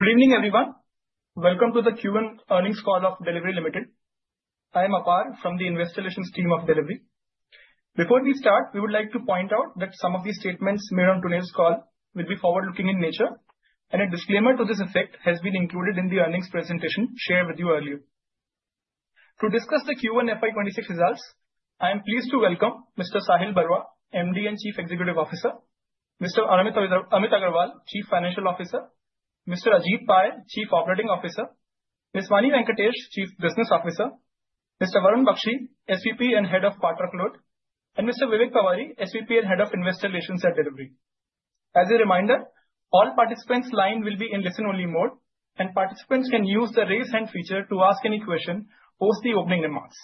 Good evening everyone. Welcome to the Q1 Earnings Call of Delhivery Limited. I am Apar from the investigations team of Delhivery. Before we start, we would like to point out that some of the statements made on today's call will be forward looking in nature. A disclaimer to this effect has been included in the earnings presentation shared with you earlier. To discuss the Q1 FY 2026 results, I am pleased to welcome Mr. Sahil Barua, MD, Chief Executive Officer; Mr. Amit Agarwal, Chief Financial Officer; Mr. Ajith Pai, Chief Operating Officer; Ms. Vani Venkatesh, Chief Business Officer; Mr. Varun Bakshi, Senior Vice President and Head of Part Truckload; and Mr. Vivek Pabari, Senior Vice President and Head of Investor Relations at Delhivery. As a reminder, all participants' lines will be in listen-only mode and participants can use the raise hand feature to ask any question post the opening remarks.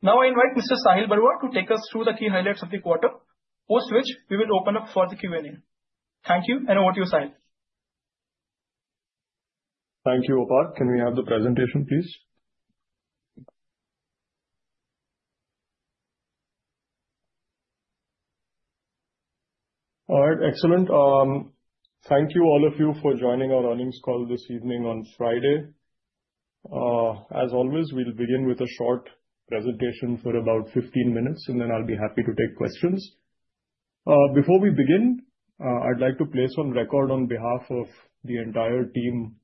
Now I invite Mr. Sahil Barua to take us through the key highlights of the quarter, post which we will open up for the Q and A. Thank you, and over to you, Sahil. Thank you. Apart, can we have the presentation please? All right. Excellent. Thank you all of you for joining our earnings call this evening. On Friday, as always, we'll begin with a short presentation for about 15 minutes and then I'll be happy to take questions. Before we begin, I'd like to place on record on behalf of the entire team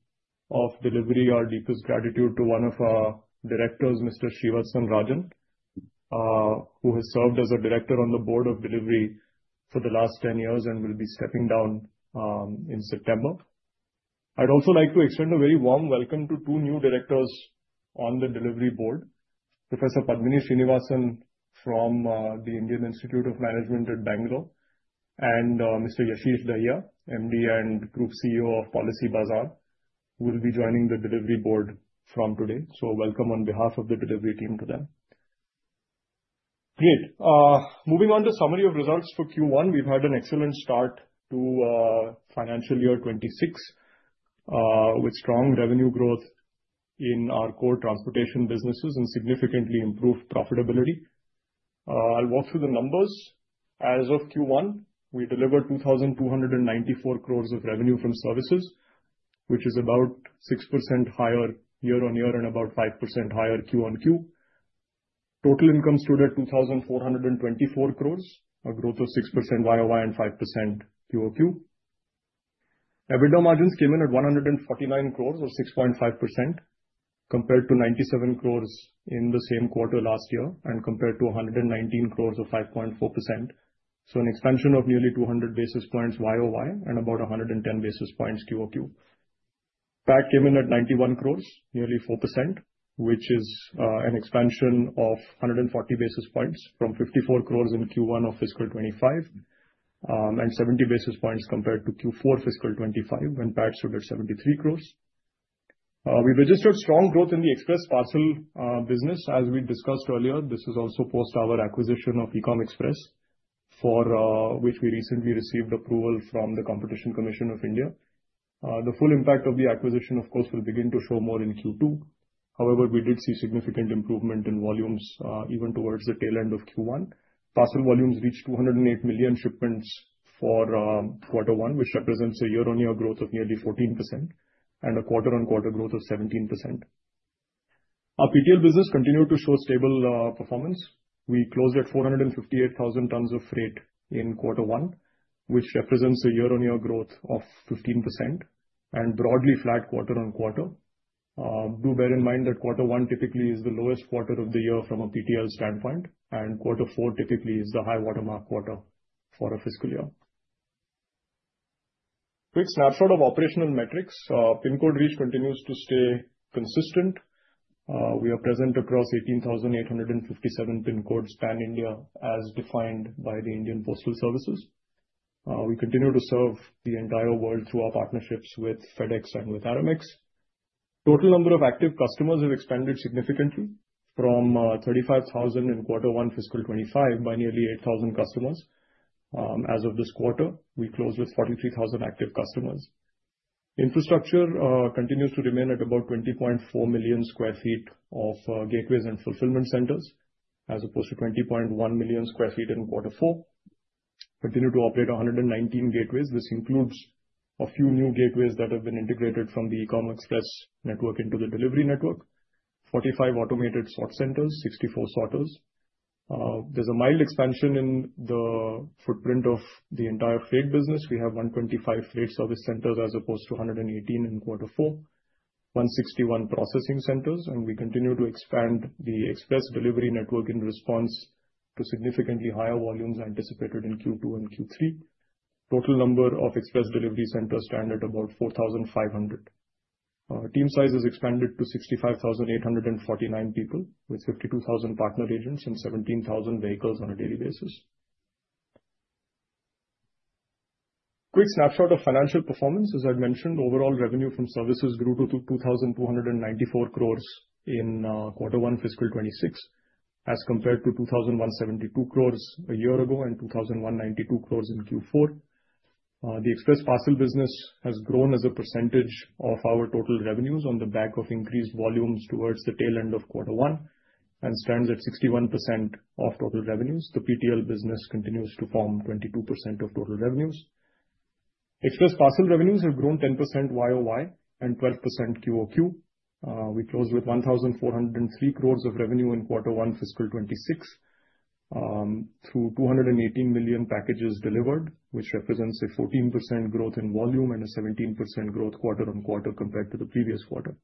of Delhivery, our deepest gratitude to one of our directors, Mr. Shiva San Rajan, who has served as a Director on the board of Delhivery for the last 10 years and will be stepping down in September. I'd also like to extend a very warm welcome to two new directors on the Delhivery board. Professor Padmini Srinivasan from the Indian Institute of Management at Bangalore and Mr. Yashish Dahia, MD and Group CEO of Policy Bazaar, will be joining the Delhivery Board from today. Welcome on behalf of the Delhivery team to them. Moving on to summary of results for Q1. We've had an excellent start to financial year 2026 with strong revenue growth in our core transportation businesses and significantly improved profitability. I'll walk through the numbers. As of Q1, we delivered 2,294 crores of revenue from services, which is about 6% higher year on year and about 5% higher quarter on quarter. Total income stood at 2,424 crores, a growth of 6% YoY and 5% QoQ. EBITDA margins came in at 149 crores or 6.5% compared to 97 crores in the same quarter last year and compared to 119 crores or 5.4%. This is an expansion of nearly 200 basis points YoY and about 110 basis points QoQ. PAT came in at 91 crores, nearly 4%, which is an expansion of 140 basis points from 54 crores in Q1 of fiscal 2025 and 70 basis points compared to Q4 fiscal 2025 when PAT stood at 73 crores. We registered strong growth in the Express Parcel business as we discussed earlier. This is also post our acquisition of Ecom Express for which we recently received approval from the Competition Commission of India. The full impact of the acquisition, of course, will begin to show more in Q2. However, we did see significant improvement in volumes even towards the tail end of Q1. Parcel volumes reached 208 million shipments for quarter one, which represents a year on year growth of nearly 14% and a quarter on quarter growth of 17%. Our PTL business continued to show stable performance. We closed at 458,000 tonnes of freight in quarter one, which represents a year on year growth of 15% and broadly flat quarter on quarter. Do bear in mind that quarter one typically is the lowest quarter of the year from a PTL standpoint, and quarter four typically is the high watermark quarter for a fiscal year. Quick snapshot of operational metrics: pin code reach continues to stay consistent. We are present across 18,857 pin codes spanning India as defined by the Indian Postal Services. We continue to serve the entire world through our partnerships with FedEx and with Aramex. Total number of active customers have expanded significantly from 35,000 in quarter one fiscal 2025 by nearly 8,000 customers. As of this quarter, we closed with 43,000 active customers. Infrastructure continues to remain at about 20.4 million square feet of gateways and fulfillment centers as opposed to 20.1 million square feet in quarter four. We continue to operate 119 gateways. This includes a few new gateways that have been integrated from the Ecom Express network into the Delhivery network. There are 45 automated sort centers and 64 sorters. There's a mild expansion in the footprint of the entire freight business. We have 125 freight service centers as opposed to 118 in quarter four, 161 processing centers, and we continue to expand the express delivery network in response to significantly higher volumes anticipated in Q2 and Q3. Total number of express delivery centers stands at about 4,500. Team size has expanded to 65,849 people with 52,000 partner agents and 17,000 vehicles on a daily basis. Quick snapshot of financial performance: as I'd mentioned, overall revenue from services grew to 2,294 crores in quarter one fiscal 2026 as compared to 2,172 crores a year ago and 2,192 crores in Q4. The Express Parcel business has grown as a percentage of our total revenues on the back of increased volumes towards the tail end of quarter one and stands at 61% of total revenues. The PTL business continues to form 22% of total revenues. Express Parcel revenues have grown 10% YoY and 12% QoQ. We closed with 1,403 crores of revenue in quarter one fiscal 2026 through 218 million packages delivered, which represents a 14% growth in volume and a 17% growth quarter on quarter compared to the previous quarter.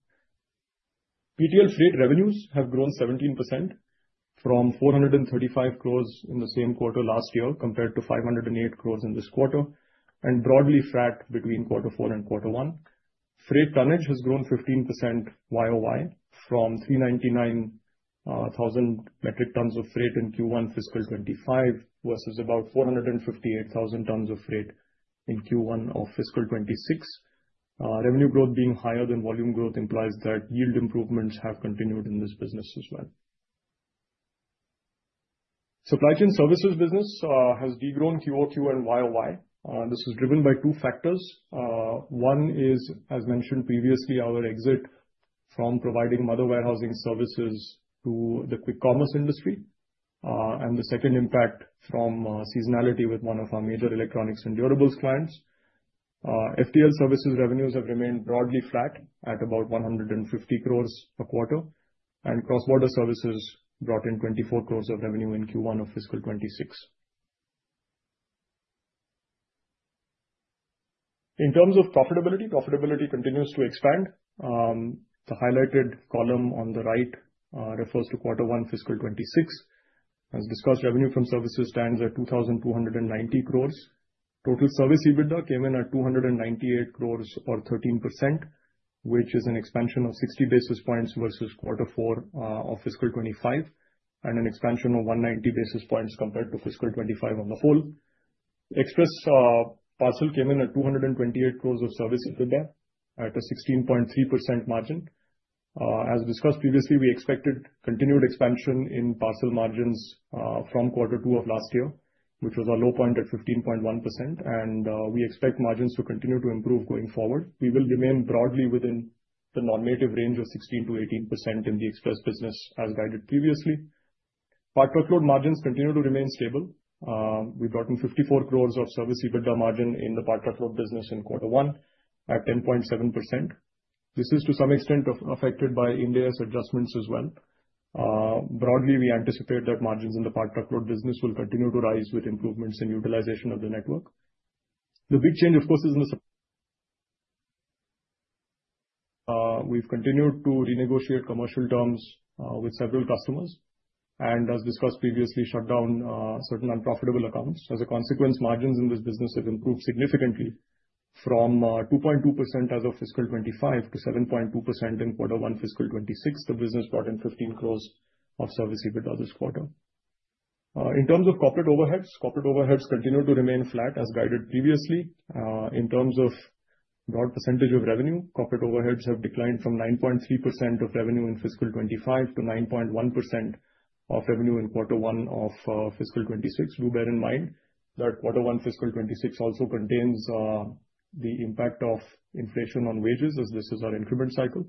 PTL freight revenues have grown 17% from 435 crores in the same quarter last year compared to 508 crores in this quarter and are broadly flat between quarter four and quarter one. Freight tonnage has grown 15% YoY from 399,000 metric tons of freight in Q1 fiscal 2025 versus about 458,000 tons of freight in Q1 of fiscal 2026. Revenue growth being higher than volume growth implies that yield improvements have continued in this business as well. Supply chain services business has degrown QoQ and YoY. This is driven by two factors. One is, as mentioned previously, our exit from providing mother warehousing services to the quick commerce industry and the second impact from seasonality with one of our major electronics and durables clients. FTL Services revenues have remained broadly flat at about 150 crore a quarter and cross border services brought in 24 crore of revenue in Q1 of fiscal 2026. In terms of profitability, profitability continues to expand. The highlighted column on the right refers to Quarter 1 fiscal 2026. As discussed, revenue from services stands at 2,290 crore. Total service EBITDA came in at 298 crore or 13%, which is an expansion of 60 basis points versus Quarter 4 of fiscal 2025 and an expansion of 190 basis points compared to fiscal 2025. On the whole, Express Parcel came in at 228 crore of service EBITDA at a 16.3% margin. As discussed previously, we expected continued expansion in parcel margins from quarter two of last year, which was our low point at 15.1%, and we expect margins to continue to improve going forward. We will remain broadly within the normative range of 16%-18% in the express business. As guided previously, Part Truckload margins continue to remain stable. We brought in 54 crore of service EBITDA margin in the Part Truckload business in quarter one at 10.7%. This is to some extent affected by India's adjustments as well. Broadly, we anticipate that margins in the Part Truckload business will continue to rise with improvements in utilization of the network. The big change of course is in the supply. We've continued to renegotiate commercial terms with several customers and, as discussed previously, shut down certain unprofitable accounts. As a consequence, margins in this business have improved significantly from 2.2% as of fiscal 2025 to 7.2% in quarter one fiscal 2026. The business brought in 15 crore of service EBITDA this quarter. In terms of corporate overheads, corporate overheads continue to remain flat as guided previously in terms of broad percentage of revenue. Corporate overheads have declined from 9.3% of revenue in fiscal 2025 to 9.1% of revenue in quarter one of fiscal 2026. Do bear in mind that quarter one fiscal 2026 also contains the impact of inflation on wages as this is our increment cycle.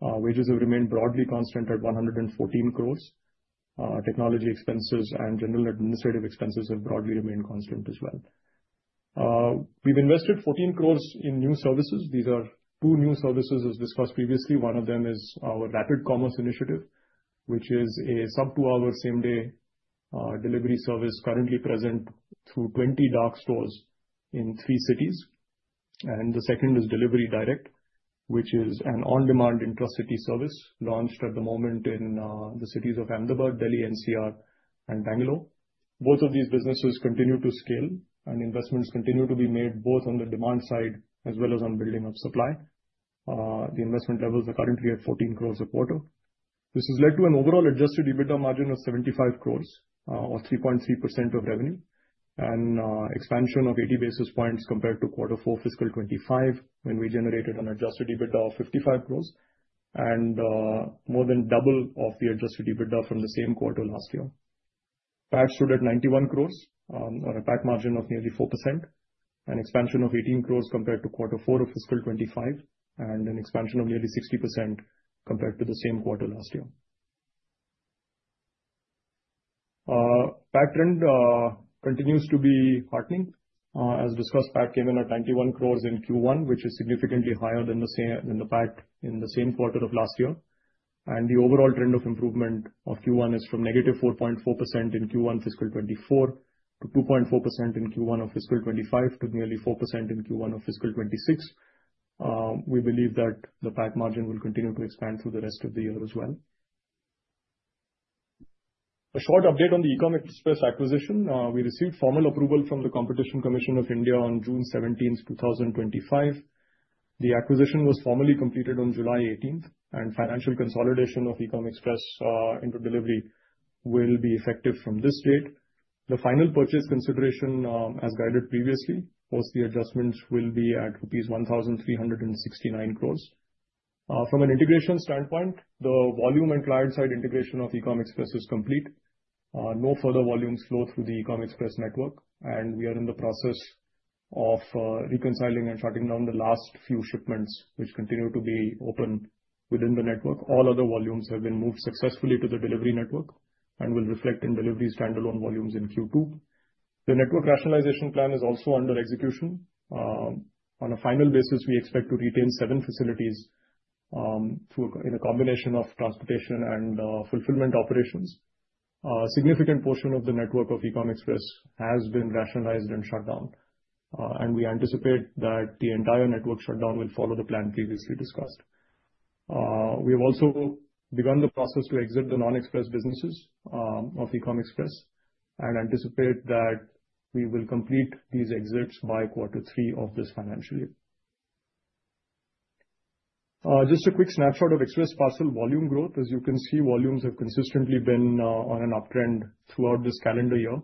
Wages have remained broadly constant at 114 crore. Technology expenses and general administrative expenses have broadly remained constant as well. We've invested 14 crore in new services. These are two new services as discussed previously. One of them is our Rapid Commerce initiative, which is a sub-2-hour same-day delivery service currently present through 20 dark stores in three cities, and the second is Delhivery Direct, which is an on-demand intra-city service launched at the moment in the cities of Ahmedabad, Delhi, NCR, and Bangalore. Both of these businesses continue to scale, and investments continue to be made both on the demand side as well as on building of supply. The investment levels are currently at 14 crore a quarter. This has led to an overall adjusted EBITDA margin of 75 crore or 3.3% of revenue, and expansion of 80 basis points compared to Q4 fiscal 2025 when we generated an adjusted EBITDA of 55 crore and more than double of the adjusted EBITDA from the same quarter last year. PAT stood at 91 crore on a PAT margin of nearly 4%, an expansion of 18 crore compared to Q4 of fiscal 2025 and an expansion of nearly 60% compared to the same quarter last year. PAT trend continues to be heartening. As discussed, PAT came in at 91 crore in Q1, which is significantly higher than the PAT in the same quarter of last year, and the overall trend of improvement of Q1 is from -4.4% in Q1 fiscal 2024 to 2.4% in Q1 of fiscal 2025 to nearly 4% in Q1 of fiscal 2026. We believe that the PAT margin will continue to expand through the rest of the year as well. A short update on the Ecom Express acquisition: we received formal approval from the Competition Commission of India on June 17, 2025. The acquisition was formally completed on July 18, and financial consolidation of Ecom Express into Delhivery will be effective from this date. The final purchase consideration as guided previously post the adjustments will be at rupees 1,369 crore. From an integration standpoint, the volume and client side integration of Ecom Express is complete. No further volumes flow through the Ecom Express network, and we are in the process of reconciling and shutting down the last few shipments which continue to be open within the network. All other volumes have been moved successfully to the Delhivery network and will reflect in Delhivery standalone volumes in Q2. The network rationalization plan is also under execution. On a final basis, we expect to retain seven facilities in a combination of transportation and fulfillment operations. A significant portion of the network of Ecom Express has been rationalized and shut down, and we anticipate that the entire network shutdown will follow the plan previously discussed. We have also begun the process to exit the non-Express businesses of Ecom Express and anticipate that we will complete these exits by quarter three of this financial year. Just a quick snapshot of Express Parcel volume growth. As you can see, volumes have consistently been on an uptrend throughout this calendar year.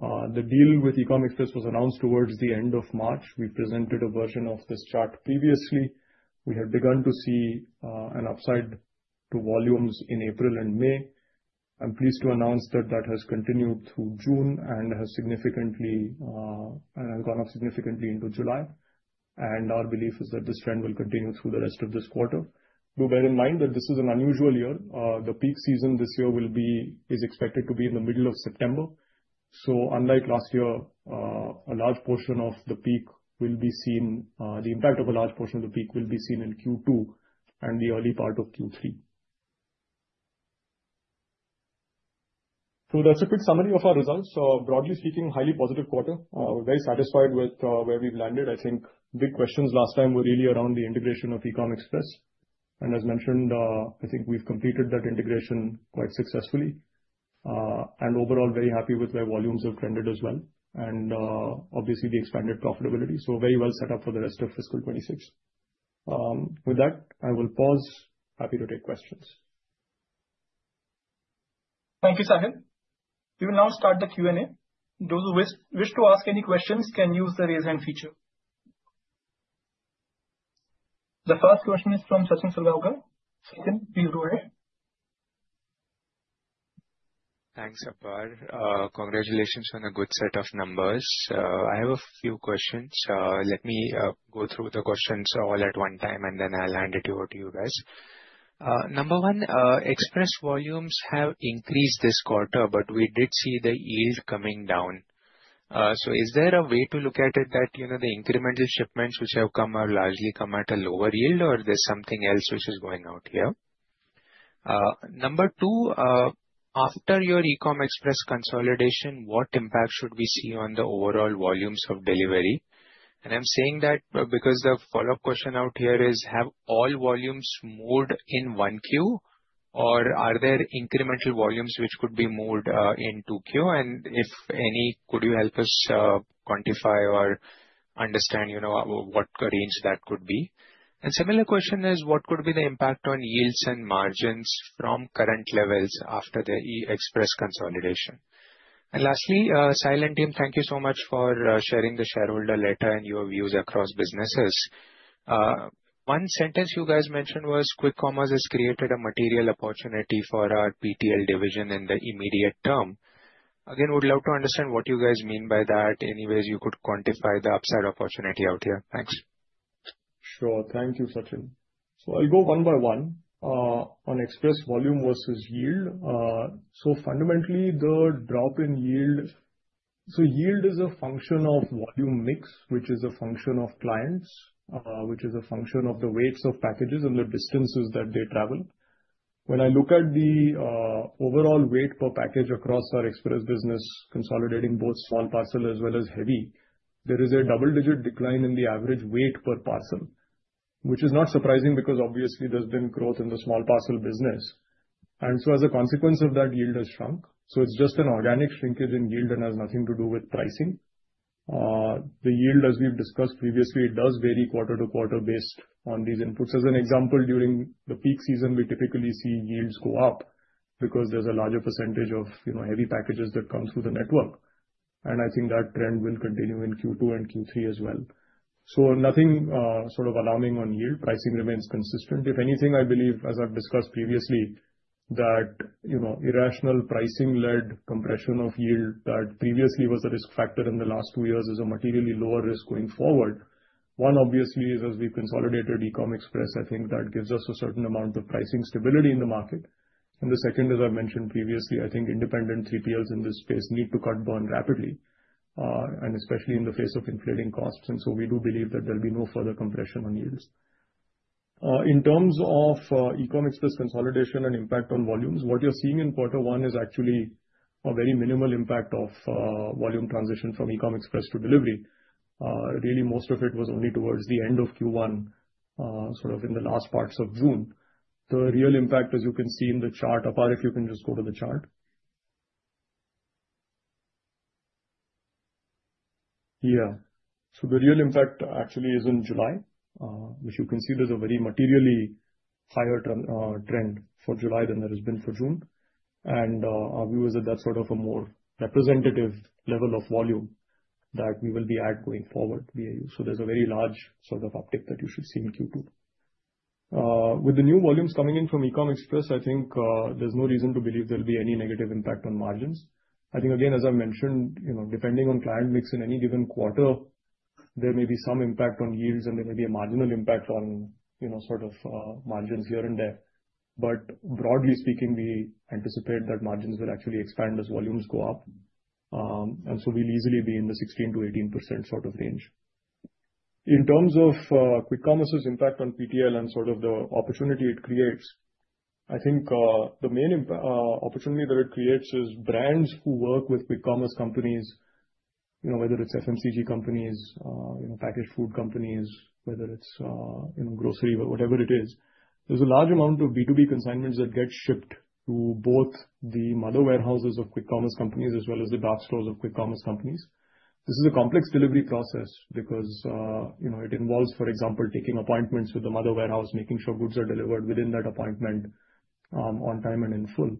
The deal with Ecom Express was announced towards the end of March. We presented a version of this chart previously. We have begun to see an upside to volumes in April and May. I'm pleased to announce that that has continued through June and has gone up significantly into July, and our belief is that this trend will continue through the rest of this quarter. Do bear in mind that this is an unusual year. The peak season this year is expected to be in the middle of September. Unlike last year, the impact of a large portion of the peak will be seen in Q2 and the early part of Q3. That's a quick summary of our results. Broadly speaking, highly positive quarter. We're very satisfied with where we've landed. I think big questions last time were really around the integration of Ecom Express, and as mentioned, I think we've completed that integration quite successfully and overall very happy with where volumes have trended as well and obviously the expanded profitability. Very well set up for the rest of fiscal 2026. With that, I will pause. Happy to take questions. Thank you, Sahil. We will now start the Q&A. Those who wish to ask any questions can use the raise hand feature. The first question is from Sachin Salgavagar. Second, please go ahead. Thanks, Apar. Congratulations on a good set of numbers. I have a few questions. Let me go through the questions all at one time and then I'll hand it over to you guys. Number one, Express Parcel volumes have increased this quarter, but we did see the yield coming down. Is there a way to look at it that the incremental shipments which have come have largely come at a lower yield, or is there something else which is going on here? Number two, after your Ecom Express consolidation, what impact should we see on the overall volumes of Delhivery? I'm saying that because the follow-up question here is, have all volumes moved in Q1, or are there incremental volumes which could be moved in Q2, and if any, could you help us quantify or understand what range that could be? A similar question is, what could be the impact on yields and margins from current levels after the Express Parcel consolidation? Lastly, Silent Team, thank you so much for sharing the shareholder letter and your views across businesses. One sentence you guys mentioned was Quick Commerce has created a material opportunity for our PTL division in the immediate term. Again, would love to understand what you guys mean by that. Anyway, you could quantify the upside opportunity here. Thanks. Sure. Thank you, Sachin. I'll go one by one on Express volume versus yield. Fundamentally, the drop in yield is a function of volume mix, which is a function of clients, which is a function of the weights of packages and the distances that they travel. When I look at the overall weight per package across our Express business, consolidating both small parcel as well as heavy, there is a double-digit decline in the average weight per parcel, which is not surprising because obviously there's been growth in the small parcel business, and as a consequence of that, yield has shrunk. It's just an organic shrinkage in yield and has nothing to do with pricing. The yield, as we've discussed previously, does vary quarter to quarter based on these inputs. For example, during the peak season, we typically see yields go up because there's a larger percentage of heavy packages that come through the network. I think that trend will continue in Q2 and Q3 as well. Nothing sort of alarming on yield; pricing remains consistent. If anything, I believe, as I've discussed previously, that irrational pricing-led compression of yield that previously was the risk factor in the last two years is a materially lower risk going forward. One, obviously, is as we consolidated Ecom Express. I think that gives us a certain amount of pricing stability in the market. The second, as I mentioned previously, is that independent CPLs in this space need to cut burn rapidly, especially in the face of inflating costs. We do believe that there will be no further compression on yields. In terms of Ecom Express consolidation and impact on volumes, what you're seeing in Q1 is actually a very minimal impact of volume transition from Ecom Express to Delhivery. Most of it was only towards the end of Q1, in the last parts of June. The real impact, as you can see in the chart—if you can just go to the chart—yeah, the real impact actually is in July, which you can see there's a very materially higher trend for July than there has been for June. Our view is that that's a more representative level of volume that we will be at going forward. There's a very large sort of. Uptick that you should see in Q2. With the new volumes coming in from Ecom Express, I think there's no reason to believe there'll be any negative impact on margins. I think, again, as I mentioned, depending on client mix in any given quarter, there may be some impact on yields and there may be a marginal impact on margins here and there. Broadly speaking, we anticipate that margins will actually expand as volumes go up, and we'll easily be in the 16%-18% range. In terms of Rapid Commerce's impact on Part Truckload and the opportunity it creates, I think the main opportunity that it creates is brands who work with big commerce companies. Whether it's FMCG companies, packaged food companies, grocery, whatever it is, there's a large amount of B2B consignments that get shipped to both the mother warehouses of Rapid Commerce companies as well as the dark stores of Rapid Commerce companies. This is a complex delivery process because it involves, for example, taking appointments with the mother warehouse, making sure goods are delivered within that appointment, on time and in full.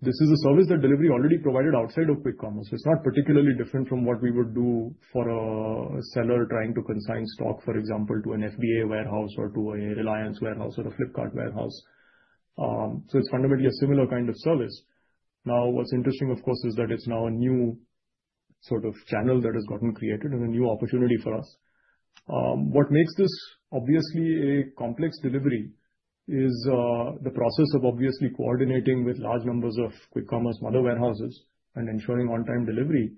This is a service that Delhivery already provided outside of Rapid Commerce. It's not particularly different from what we would do for a seller trying to consign stock, for example, to an FBA warehouse or to a Reliance warehouse or a Flipkart warehouse. It's fundamentally a similar kind of service. Now, what's interesting, of course, is that it's now a new channel that has gotten created and a new opportunity for us. What makes this a complex delivery is the process of coordinating with large numbers of Rapid Commerce mother warehouses and ensuring on-time delivery,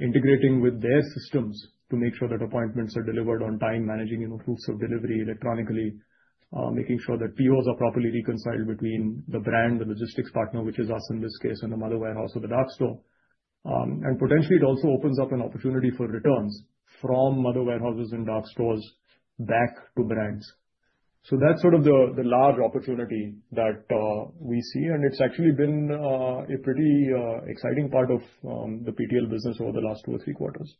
integrating with their systems to make sure that appointments are delivered on time, managing proofs of delivery electronically, making sure that POs are properly reconciled between the brand, the logistics partner, which is us in this case, and the mother warehouse or the dark store. Potentially, it also opens up an opportunity for returns from mother warehouses and dark stores back to brands. That's the large opportunity that we see, and it's actually been a pretty exciting part of the Part Truckload business over the last two or three quarters.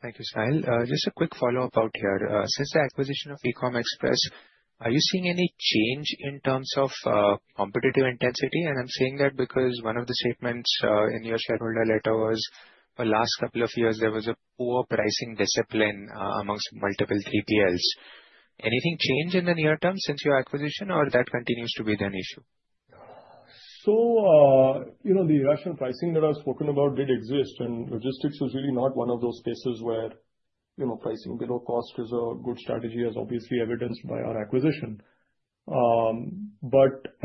Thank you, Sahil. Just a quick follow-up out here. Since the acquisition of Ecom Express, are you seeing any change in terms of competitive intensity? I'm saying that because one of the statements in your shareholder letter was the last couple of years there was a poor pricing discipline amongst multiple 3PLs. Has anything changed in the near term since your acquisition, or does that continue to be the issue? The rational pricing that I've spoken about did exist, and logistics is really not one of those spaces where pricing below cost is a good strategy, as obviously evidenced by our acquisition.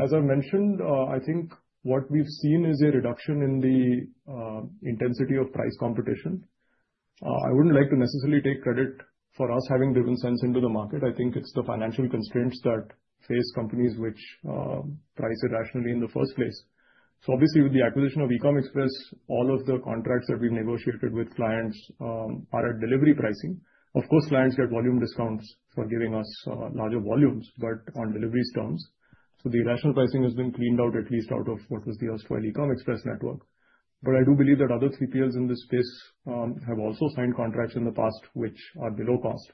As I mentioned, I think what we've seen is a reduction in the intensity of price competition. I wouldn't like to necessarily take credit for us having driven sense into the market. I think it's the financial constraints that face companies which price irrationally in the first place. Obviously, with the acquisition of Ecom Express, all of the contracts that we've negotiated with clients are at Delhivery pricing. Of course, clients get volume discounts for giving us larger volumes, but on Delhivery's terms. The rational pricing has been cleaned out, at least out of what was the erstwhile Ecom Express network. I do believe that other 3PLs in this space have also signed contracts in the past which are below cost.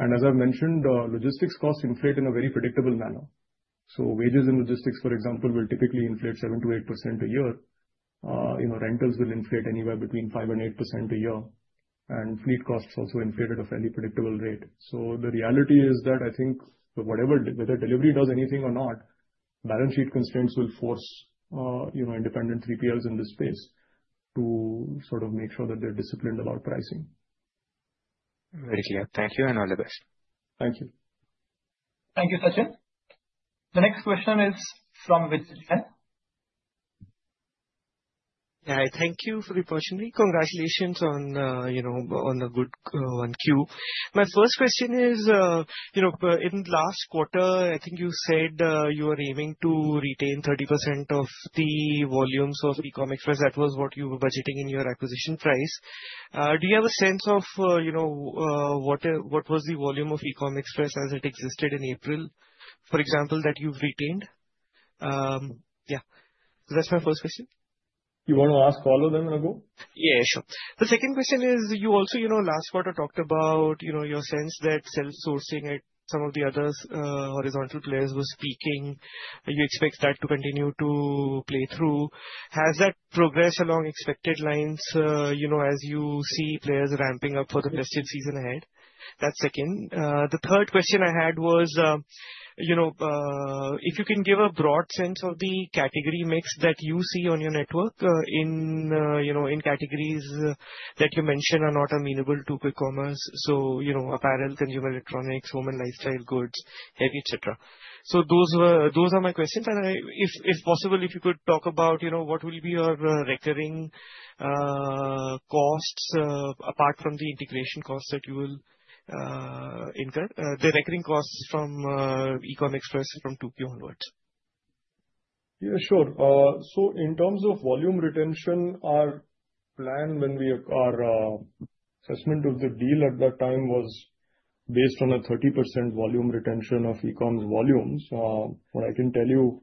As I've mentioned, logistics costs inflate in a very predictable manner. Wages in logistics, for example, will typically inflate 7%-8% a year. Rentals will inflate anywhere between 5% and 8% a year, and fleet costs also inflate at a fairly predictable rate. The reality is that I think whether Delhivery does anything or not, balance sheet constraints will force independent 3PLs in this space to sort of make sure that they're disciplined about pricing. Very clear. Thank you and all the best. Thank you. Thank you, Sachin. The next question is from Vijay. Thank you for the opportunity. Congratulations on a good one. My first question is, in last quarter, I think you said you were aiming to retain 30% of the volumes of Ecom Express. That was what you were budgeting in your acquisition price. Do you have a sense of what was the volume of Ecom Express as it existed in April, for example, that you've retained? Yeah, so that's my first question. You want to ask all of them. Yeah, sure. The second question is, you also, last quarter, talked about your sense that self-sourcing at some of the other horizontal players was peaking. You expect that to continue to play through. Has that progressed along expected lines as you see players ramping up for the festive season ahead? That's the second. The third question I had was if you can give a broad sense of the category mix that you see on your network in categories that you mentioned are not amenable to quick commerce, so apparel, consumer electronics, home and lifestyle goods, etc. Those are my questions, and if possible, if you could talk about what will be your recurring costs apart from the integration costs that you will incur, the recurring costs from Ecom Express from Q2 onwards? Yeah, sure. In terms of volume retention, our plan, when we, our assessment of the deal at that time was based on a 30% volume retention of Ecom Express volumes. What I can tell you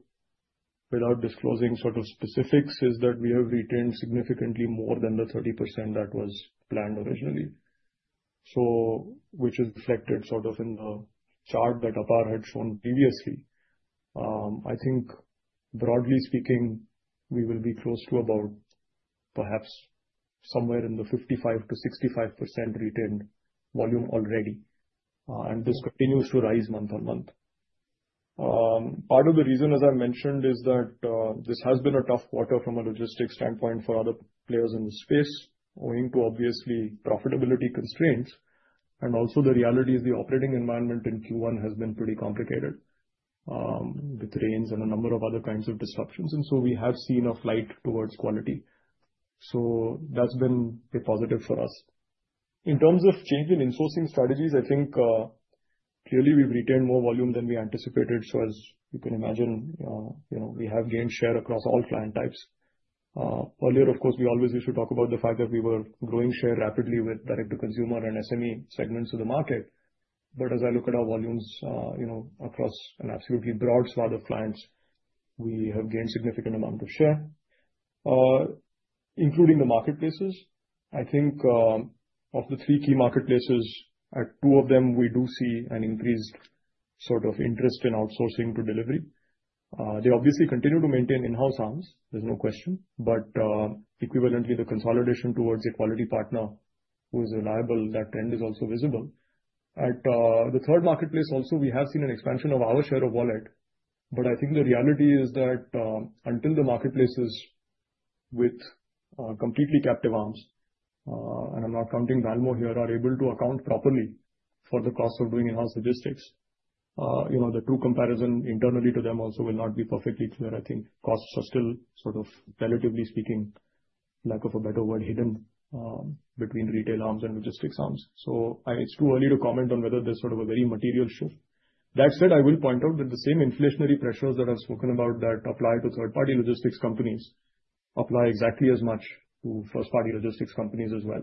without disclosing specifics is that we have retained significantly more than the 30% that was planned originally, which is reflected in the chart that Ajith Pai had shown previously. I think broadly speaking we will be close to about perhaps somewhere in the 55%-65% retained volume already, and this continues to rise month on month. Part of the reason, as I mentioned, is that this has been a tough quarter from a logistics standpoint for other players in the space owing to profitability constraints. The reality is the operating environment in Q1 has been pretty complicated with rains and a number of other kinds of disruptions. We have seen a flight to quality. That's been positive for us in terms of change in sourcing strategies. I think clearly we've retained more volume than we anticipated. As you can imagine, we have gained share across all client types. Earlier, of course, we always used to talk about the fact that we were growing share rapidly with direct-to-consumer and SME segments of the market. As I look at our volumes across an absolutely broad swath of clients, we have gained significant amount. Of share. Including the marketplaces. I think of the three key marketplaces, at two of them, we do see an increased sort of interest in outsourcing to Delhivery. They obviously continue to maintain in-house arms, there's no question. Equivalently, the consolidation towards a quality partner who is reliable, that trend is also visible at the third marketplace. Also, we have seen an expansion of our share of wallet. I think the reality is that until the marketplaces with completely captive arms, and I'm not counting Valmo here, are able to account properly for the cost of doing enhanced logistics, the true comparison internally to them also will not be perfectly clear. I think costs are still, relatively speaking, for lack of a better word, hidden between retail arms and logistics arms. It's too early to comment on whether there's a very material shift. That said, I will point out that the same inflationary pressures that I've spoken about that apply to third-party logistics companies apply exactly as much to first-party logistics companies as well.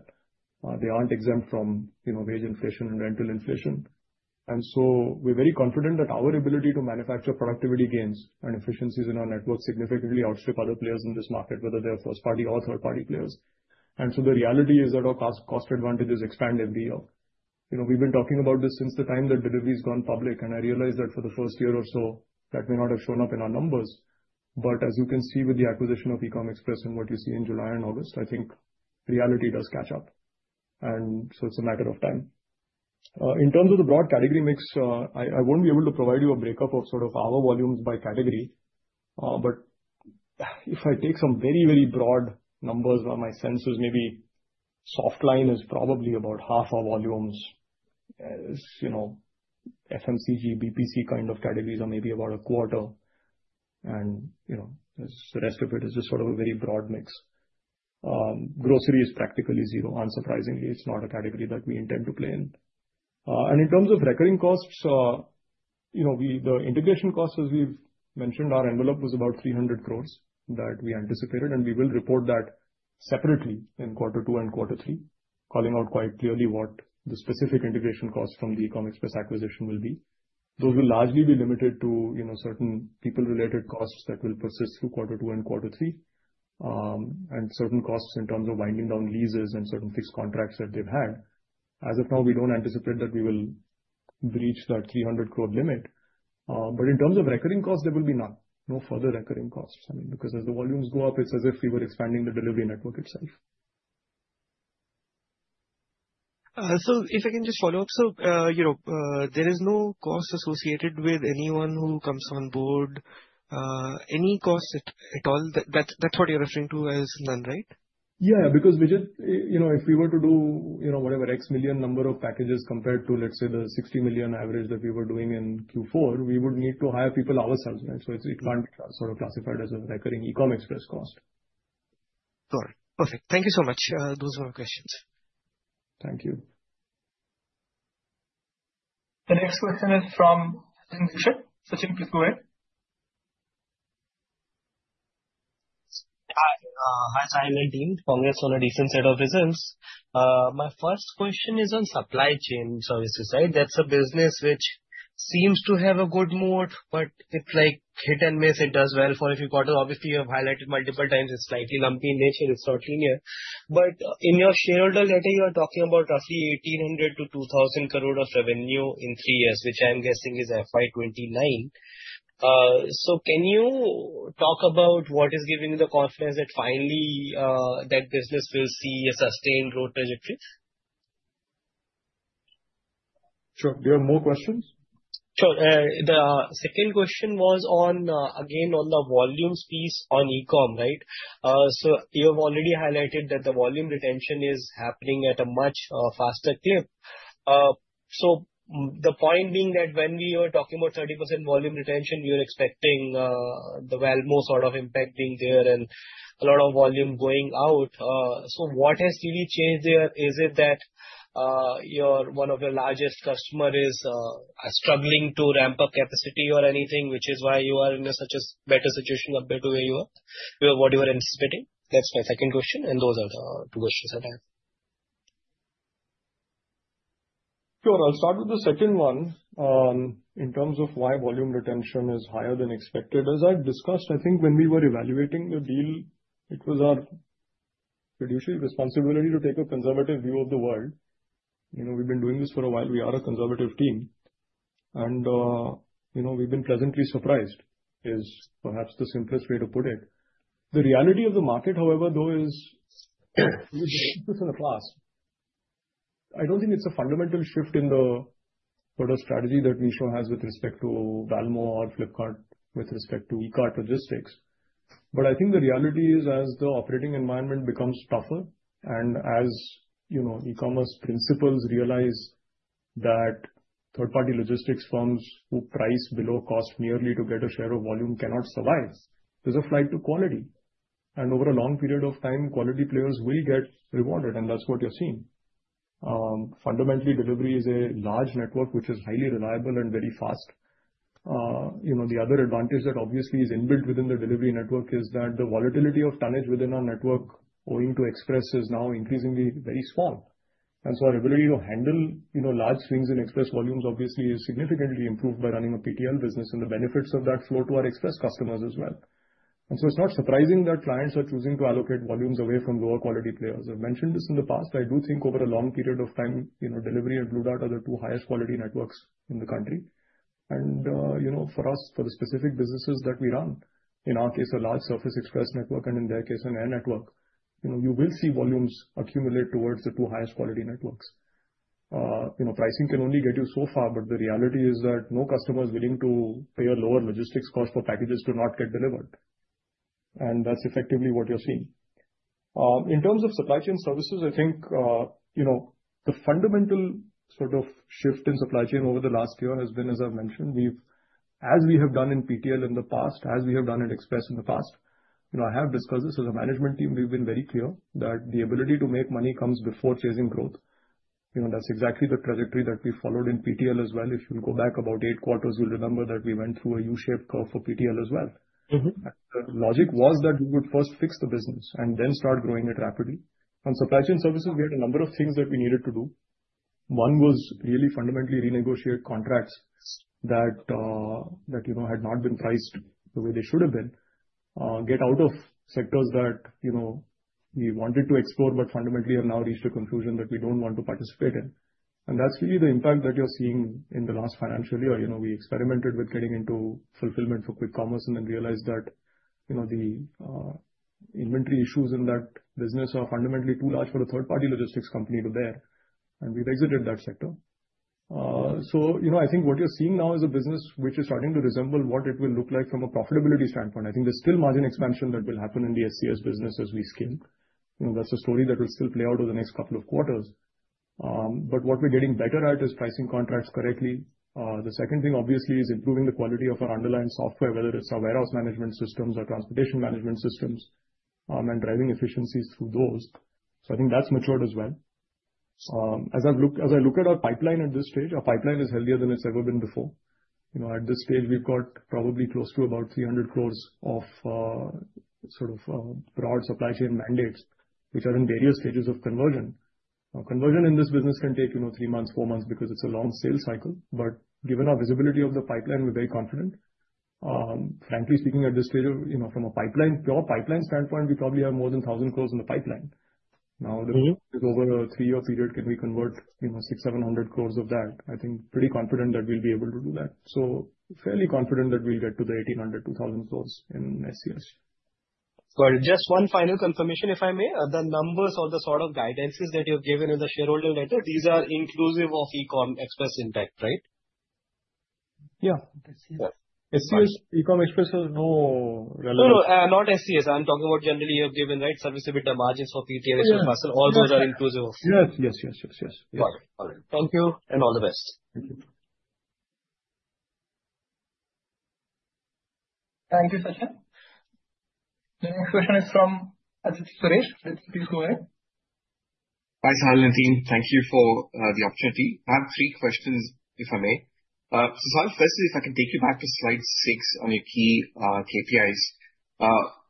They aren't exempt from wage inflation and rental inflation. We're very confident that our ability to manufacture productivity gains and efficiencies in our network significantly outstrip other players in this market, whether they're first-party or third-party players. The reality is that our cost advantages expand every year. We've been talking about this since the time that Delhivery has gone public. I realize that for the first year or so that may not have shown up in our numbers. As you can see with the acquisition of Ecom Express and what you see in July and August, I think reality does catch up. It's a matter of time. In terms of the broad category mix, I won't be able to provide you a breakup of our volumes by category. If I take some very, very broad numbers, my sense is maybe softline is probably about half our volumes. FMCG, BPC kind of categories are maybe about a quarter. The rest of it is just a very broad mix. Grocery is practically zero. Unsurprisingly, it's not a category that we intend to play in. In terms of recurring costs, the integration cost as we've mentioned, our envelope was about 300 crore that we anticipated. We will report that separately in quarter two and quarter three, calling out quite clearly what the specific integration cost from the Ecom Express acquisition will be. Those will largely be limited to certain people-related costs that will persist through quarter two and quarter three, and certain costs in terms of winding down leases and certain fixed contracts that they've had. As of now, we don't anticipate that we will breach that 300 crore limit. In terms of recurring costs, there will be none, no further recurring costs, because as the volumes go up, it's as if we were expanding the Delhivery network itself. If I can just follow up, you know there is no cost associated with anyone who comes on board. Any cost at all. That's what you're referring to as none, right? Yeah. Because Vijit, you know, if we were to do, you know, whatever X million number of packages compared to let's say the 60 million average that we were doing in Q4, we would need to hire people ourselves. It can't be sort of classified as a recurring Ecom Express cost. Perfect. Thank you so much. Those were my questions. Thank you. The next question is from Sachin Dushan. Sachin, please go ahead. Hi. Hi. Jayan and Dean. Congrats on a decent set of results. My first question is on supply chain services. Right. That's a business which seems to have a good mood, but it's like hit and miss. It does well if you got it. Obviously, you have highlighted multiple times it's slightly lumpy in nature, it's not linear. In your shareholder letter, you are talking about roughly 1,800 crore-2,000 crore of revenue in three years, which I am guessing is FY 2029. Can you talk about what is giving you the confidence that finally that business will see a sustained growth trajectory? Sure. Do you have more questions? Sure. The second question was again on the volumes piece on Ecom Express, right. You have already highlighted that the volume retention is happening at a much faster clip. The point being that when we were talking about 30% volume retention, you're expecting the Valmo sort of impact being there and a lot of volume going out. What has really changed there? Is it that one of your largest customers is struggling to ramp up capacity or anything, which is why you are in such a better situation compared to where you are, what you are anticipating? That's my second question. Those are the two questions that I have. Sure. I'll start with the second one. In terms of why volume retention is higher than expected, as I discussed, I think when we were evaluating the deal, it was our judicial responsibility to take a conservative view of the world. We've been doing this for a while, we are a conservative team, and we've been pleasantly surprised is perhaps the simplest way to put it. The reality of the market, however, is this. I don't think it's a fundamental shift in the sort of strategy that Meesho has with respect to Valmo or Flipkart with respect to Ekart Logistics. I think the reality is as the operating environment becomes tougher and as e-commerce principals realize that third party logistics firms who price below cost merely to get a share of volume cannot survive, there's a flight to quality. Over a long period of time, quality players will get rewarded. That's what you're seeing fundamentally. Delhivery is a large network which is highly reliable and very fast. The other advantage that obviously is inbuilt within the Delhivery network is that the volatility of tonnage within our network owing to Express Parcel is now increasingly very small. Our ability to handle large swings in Express Parcel volumes obviously is significantly improved by running a Part Truckload business, and the benefits of that flow to our Express Parcel customers as well. It's not surprising that clients are choosing to allocate volumes away from lower quality players. I've mentioned this in the past. I do think over a long period of time, Delhivery and Blue Dart Express are the two highest quality networks in the country. For us, for the specific businesses that we run, in our case a large Surface Express network and in their case an air network, you will see volumes accumulate towards the two highest quality networks. Pricing can only get you so far, but the reality is that no customer is willing to pay a lower logistics cost for packages to not get delivered. That's effectively what you're seeing in terms of supply chain services. I think the fundamental sort of shift in supply chain over the last year has been, as I've mentioned, as we have done in Part Truckload in the past, as we have done in Express Parcel in the past, I have discussed this as a management team. We've been very clear that the ability to make money comes before chasing growth. That's exactly the trajectory that we followed in Part Truckload as well. If you go back about eight quarters, you'll remember that we went through a U-shaped curve for PTL as well. The logic was that we would first fix the business and then start growing it rapidly. On supply chain services, we had a number of things that we needed to do. One was really fundamentally renegotiate contracts that, you know, had not been priced the way they should have been. Get out of sectors that, you know, we wanted to explore but fundamentally have now reached a conclusion that we don't want to participate in. That's really the impact that you're seeing in the last financial year. We experimented with getting into fulfillment for quick commerce and then realized that, you know, the inventory issues in that business are fundamentally too large for a third-party logistics company to bear and we've exited that sector. I think what you're seeing now is a business which is starting to resemble what it will look like from a profitability standpoint. I think there's still margin expansion that will happen in the SCS business as we scale. That's a story that will still play out over the next couple of quarters. What we're getting better at is pricing contracts correctly. The second thing obviously is improving the quality of our underlying software, whether it's our warehouse management systems or transportation management systems, and driving efficiencies through those. I think that's matured as well. As I look at our pipeline at this stage, our pipeline is healthier than it's ever been before. At this stage we've got probably close to about 300 crore of sort of broad supply chain mandates which are in various stages of conversion. Conversion in this business can take three months, four months because it's a long sales cycle. Given our visibility of the pipeline, we're very confident, frankly speaking at this stage, from a pure pipeline standpoint, we probably have more than 1,000 crore in the pipeline. Now, over a three-year period, can we convert, you know, 600 crore, 700 crore of that? I think pretty confident that we'll be able to do that. Fairly confident that we'll get to the 1,800 crore, 2,000 crore in SCS. Got it. Just one final confirmation if I may. The numbers or the sort of guidances that you have given in the shareholder letter, these are inclusive of Ecom Express intact, right? Yeah. Ecom Express has no relevance. No, no, not Supply Chain Services. I'm talking about generally you have given right service, EBITDA margins for PTL. All those are inclusive of. Yes. Got it. All right, thank you and all the best. Thank you. Thank you. Sasha. The next question is from Suresh. Please go ahead. Hi, Sahil and team, thank you for the opportunity. I have three questions if I may. First, if I can take you back to Slide 6 on your key KPIs.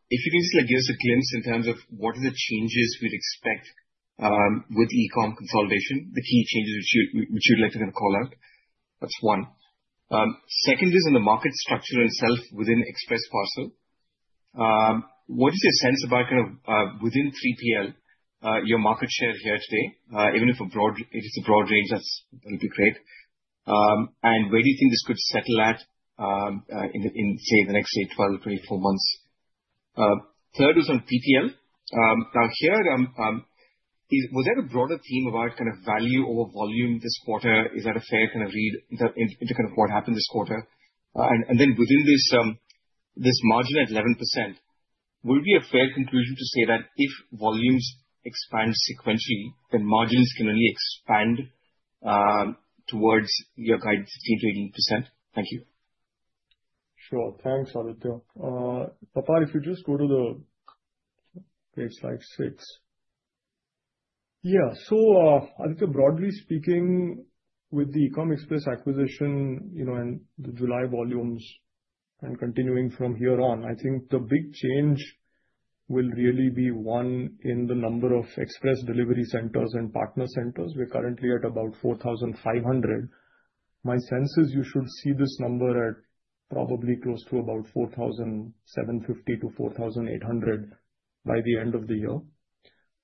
If you can just give us a glimpse in terms of what are the changes we'd expect with Ecom Express consolidation. The key changes which you'd like to call out, that's one. Second is in the market structure itself within Express Parcel. What is your sense about kind of? Within 3PL, your market share here today, even if it's a broad range, that's great. Where do you think this could settle at in, say, the next 12, 24 months? Third is on PTL. Now, here, was there a broader theme about kind of value over volume this quarter? Is that a fair kind of read? Into kind of what happened this quarter? Within this margin at 11%, would it be a fair conclusion to say that if volumes expand sequentially, then margins can only expand towards your guidance of 15%-18%? Thank you. Sure. Thanks. Ajith Pai. If you just go to the page like six. Yeah. Broadly speaking, with the Ecom Express acquisition, you know, and the July volumes and continuing from here on, I think the big change will really be one in the number of express delivery centers and partner centers. We're currently at about 4,500. My sense is you should see this number at probably close to about 4,750-4,800 by the end of the year.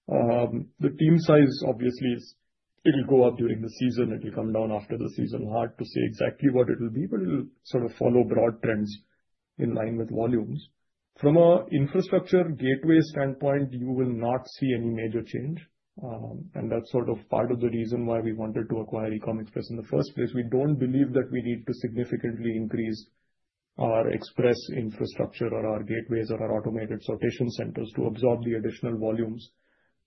The team size, obviously it will go up during the season. It will come down after the season. Hard to say exactly what it will be, but it will sort of follow broad trends in line with volumes. From an infrastructure gateway standpoint, you will not see any major change. That is part of the reason why we wanted to acquire Ecom Express in the first place. We don't believe that we need to significantly increase our express infrastructure or our gateways or our automated sortation centers to absorb the additional volumes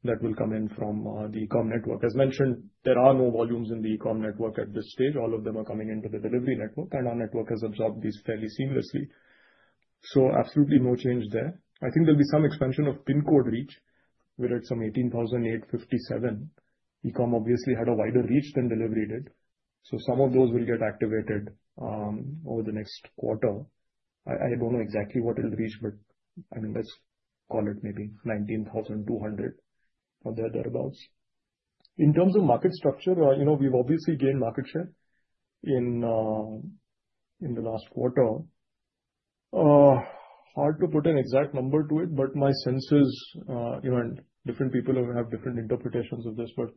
that will come in from the Ecom network. As mentioned, there are no volumes in the Ecom network at this stage. All of them are coming into the Delhivery network. Our network has absorbed these fairly seamlessly. Absolutely no change there. I think there will be some expansion of pin code reach. We're at some 18,857. Ecom obviously had a wider reach than Delhivery did. Some of those will get activated over the next quarter. I don't know exactly what it'll reach, but let's call it maybe 19,200 or thereabouts. In terms of market structure, we've obviously gained market share in the last quarter. Hard to put an exact number to it, but my sense is, you know, and different people have different interpretations of this, but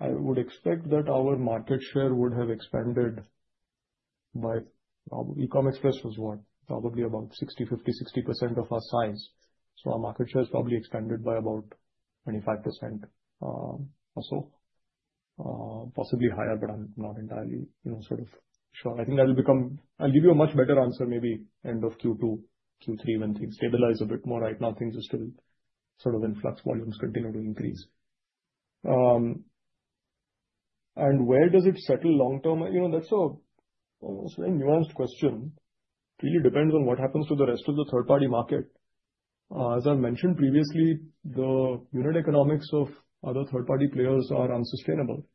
I would expect that our market share would have expanded by Ecom Express was probably about 50%, 60% of our size. Our market share has probably expanded by about 25% or so, possibly higher, but I'm not entirely sure. I think that will become clear. I'll give you a much better answer maybe end of Q2, Q3 when things stabilize a bit more. Right now things are still in flux, volumes continue to increase, and where does it settle long term? That is almost a nuanced question, really depends on what happens to the rest of the third party market. As I mentioned previously, the unit economics of other third party players are unsustainable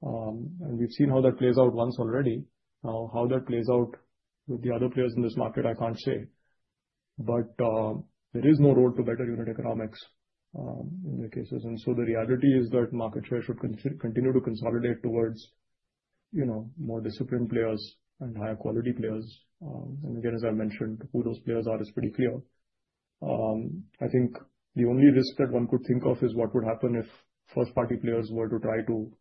and we've seen how that plays out once already. Now how that plays out with the other players in this market I can't say, but there is no road to better unit economics in the cases, and the reality is that market share should continue to consolidate towards more disciplined players and higher quality players. As I mentioned, who those players are is pretty clear. I think the only risk that one could think of is what would happen if first party players were to try to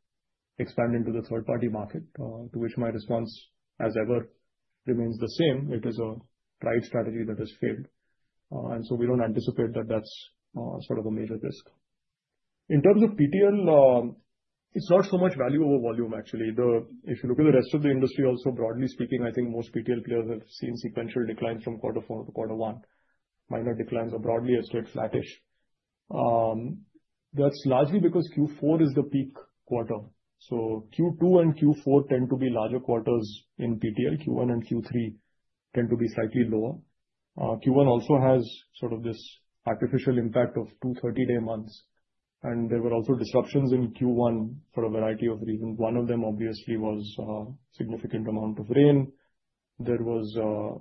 expand into the third party market. My response as ever remains the same. It is a right strategy that has failed, and we don't anticipate that that's sort of a major risk in terms of PTL. It's not so much value over volume actually. If you look at the rest of the industry also, broadly speaking, I think most PTL players have seen sequential declines from quarter four to quarter one. Minor declines are broadly a straight flattish. That's largely because Q4 is the peak quarter, so Q2 and Q4 tend to be larger quarters in PTL. Q1 and Q3 tend to be slightly lower. Q1 also has sort of this artificial impact of two 30-day months, and there were also disruptions in Q1 for a variety of reasons. One of them obviously was significant amount of rain. There was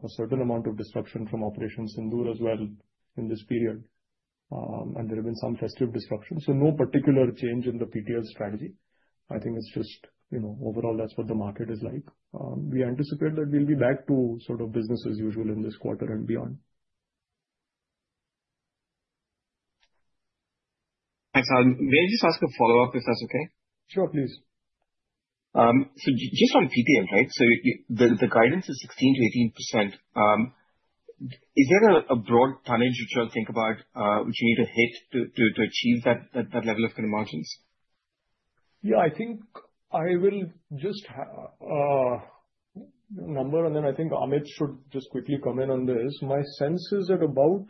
a certain amount of disruption from Operation Sindur as well in this period, and there have been some festive disruption. No particular change in the PTL strategy. I think it's just, you know, overall that's what the market is like. We anticipate that we'll be back to sort of business as usual in this quarter and beyond. Thanks. May I just ask a follow up if that's okay? Sure, please. Just on ppm, right, the guidance is 16%-18%. Is there a broad tonnage which I'll think about which you need to hit to achieve that level of margins? Yeah, I think I will just. Number, and then I think Amit should just quickly comment on this. My sense is at about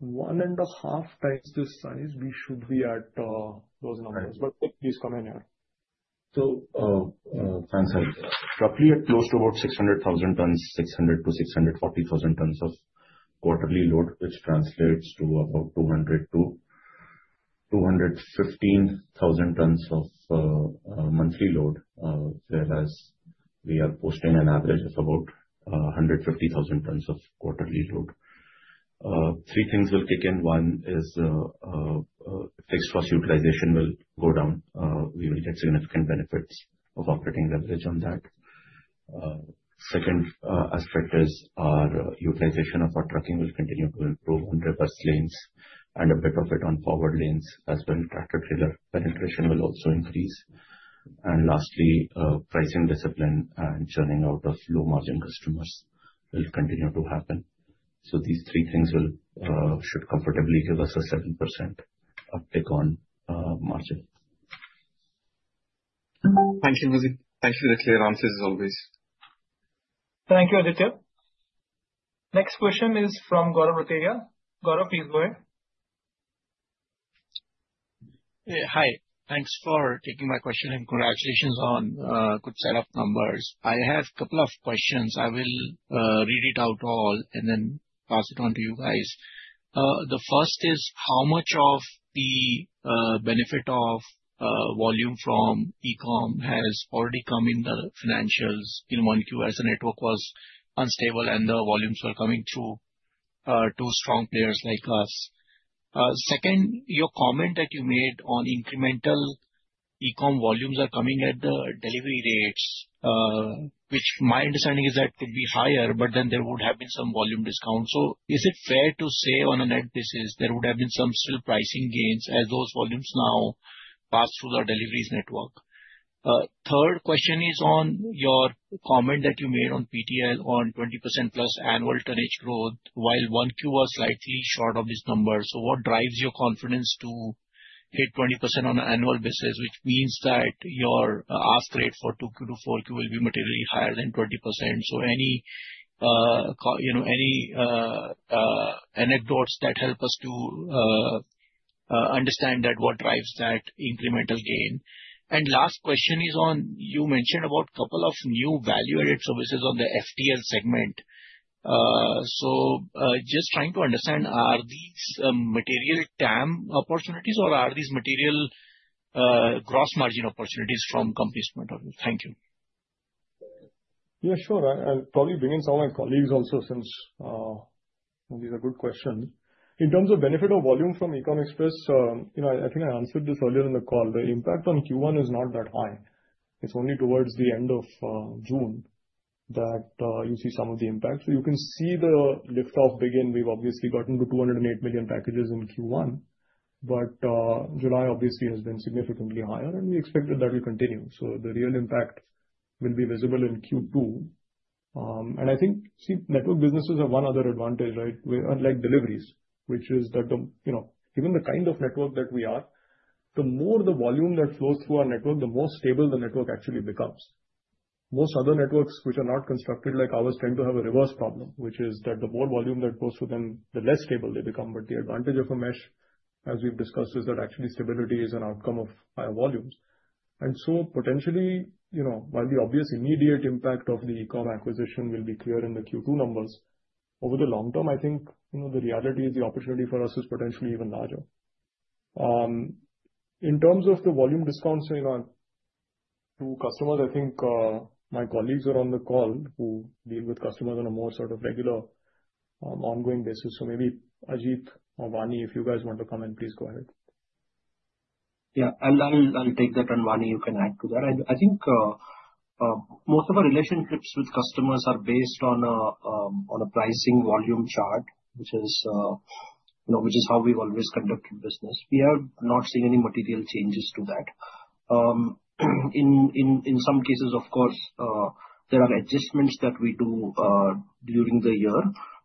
1.5 times the size, we should be at those numbers. Please come in here. So. Thanks. Roughly at close to about 600,000 tons. 600,000 tons-640,000 tons of quarterly load, which translates to about 200,000 tons-215,000 tons of monthly load. Whereas we are posting an average of about 150,000 tons of quarterly load. Three things will kick in. One is fixed cost utilization will go down. We will get significant benefits of operating leverage on that. The second aspect is our utilization of our trucking will continue to improve on reverse lanes and a bit of it on forward lanes as well. Tractor trailer penetration will also increase. Lastly, pricing discipline and churning out of low margin customers will continue to happen. These three things should comfortably give us a 7% uptick on margin. Thank you. Thank you for the clear answers as always. Thank you, Aditya. Next question is from Gaurav. Rotevia Gaurav, please go ahead. Hi. Thanks for taking my question and congratulations on good setup numbers. I have a couple of questions. I will read it out all and then pass it on to you guys. The first is how much of the benefit of volume from Ecom Express has already come in the financials in Q1 as the network was unstable and the volumes were coming through to strong players like us. Second, your comment that you made on incremental Ecom Express volumes are coming at the Delhivery rates which my understanding is that could be higher, but then there would have been some volume discount. Is it fair to say on a net basis there would have been some still pricing gains as those volumes now pass through the Delhivery network? Third question is on your comment that you made on Part Truckload on 20%+ annual tonnage growth while Q1 was slightly short of this number. What drives your confidence to hit 20% on an annual basis, which means that your ask rate for Q2 to Q4 will be materially higher than 20%. Any anecdotes that help us to understand what drives that incremental gain? Last question is on you mentioned about couple of new value-added services on the FTL segment. Just trying to understand, are these material TAM opportunities or are these material gross margin opportunities from companies? Thank you. Yeah, sure. I'll probably bring in some of my colleagues also, since these are good questions. In terms of benefit of volume from Ecom Express, I think I answered this earlier in the call. The impact on Q1 is not that high. It's only towards the end of June that you see some of the impact. You can see the lift off begin. We've obviously gotten to 208 million packages in Q1, but July obviously has been significantly higher and we expected that will continue. The real impact will be visible in Q2. I think, see, network businesses have one other advantage, right? Unlike deliveries, which is that given the kind of network that we are, the more the volume that flows through our network, the more stable the network actually becomes. Most other networks which are not constructed like ours tend to have a reverse problem, which is that the more volume that goes to them, the less stable they become. The advantage of a mesh, as we've discussed, is that actually stability is an outcome of higher volumes. Potentially, you know, while the obvious immediate impact of the Ecom acquisition will be clear in the Q2 numbers, over the long term, I think, you know, the reality is the opportunity for us is potentially even larger in terms of the volume discounting on to customers. I think my colleagues are on the call who deal with customers on a more sort of regular, ongoing basis. Maybe Ajith or Vani, if you guys want to come in, please go ahead. Yeah, I'll take that. Vani, you can add to that. I think most of our relationships with customers are based on a pricing volume chart, which is how we've always conducted business. We have not seen any material changes to that. In some cases, of course, there are adjustments that we do during the year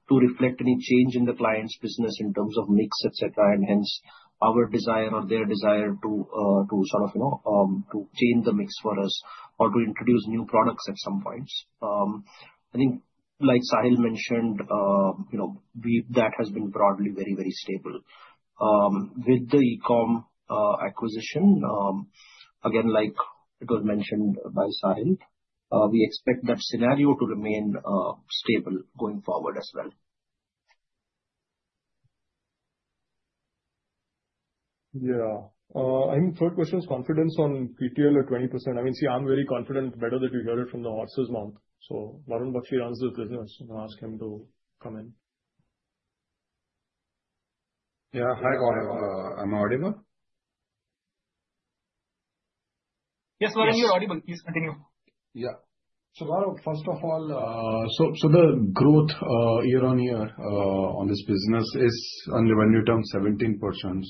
to reflect any change in the client's business in terms of mix, etc. Hence, our desire or their desire to sort of change the mix for us or to introduce new products at some points. I think, like Sahil mentioned, that has been broadly very, very stable with the Ecom Express acquisition. Again, like it was mentioned by Sahil, we expect that scenario to remain stable. Going forward as well. Yeah, I think third question is confidence on PTL at 20%. I mean, see, I'm very confident. Better that you hear it from the horse's mouth. Varun Bakshi, ask him to come in. Yeah, hi. I'm audible. Yes, you're audible. Please continue. First of all, so. The growth year on year on this business is, on the revenue term, 17%.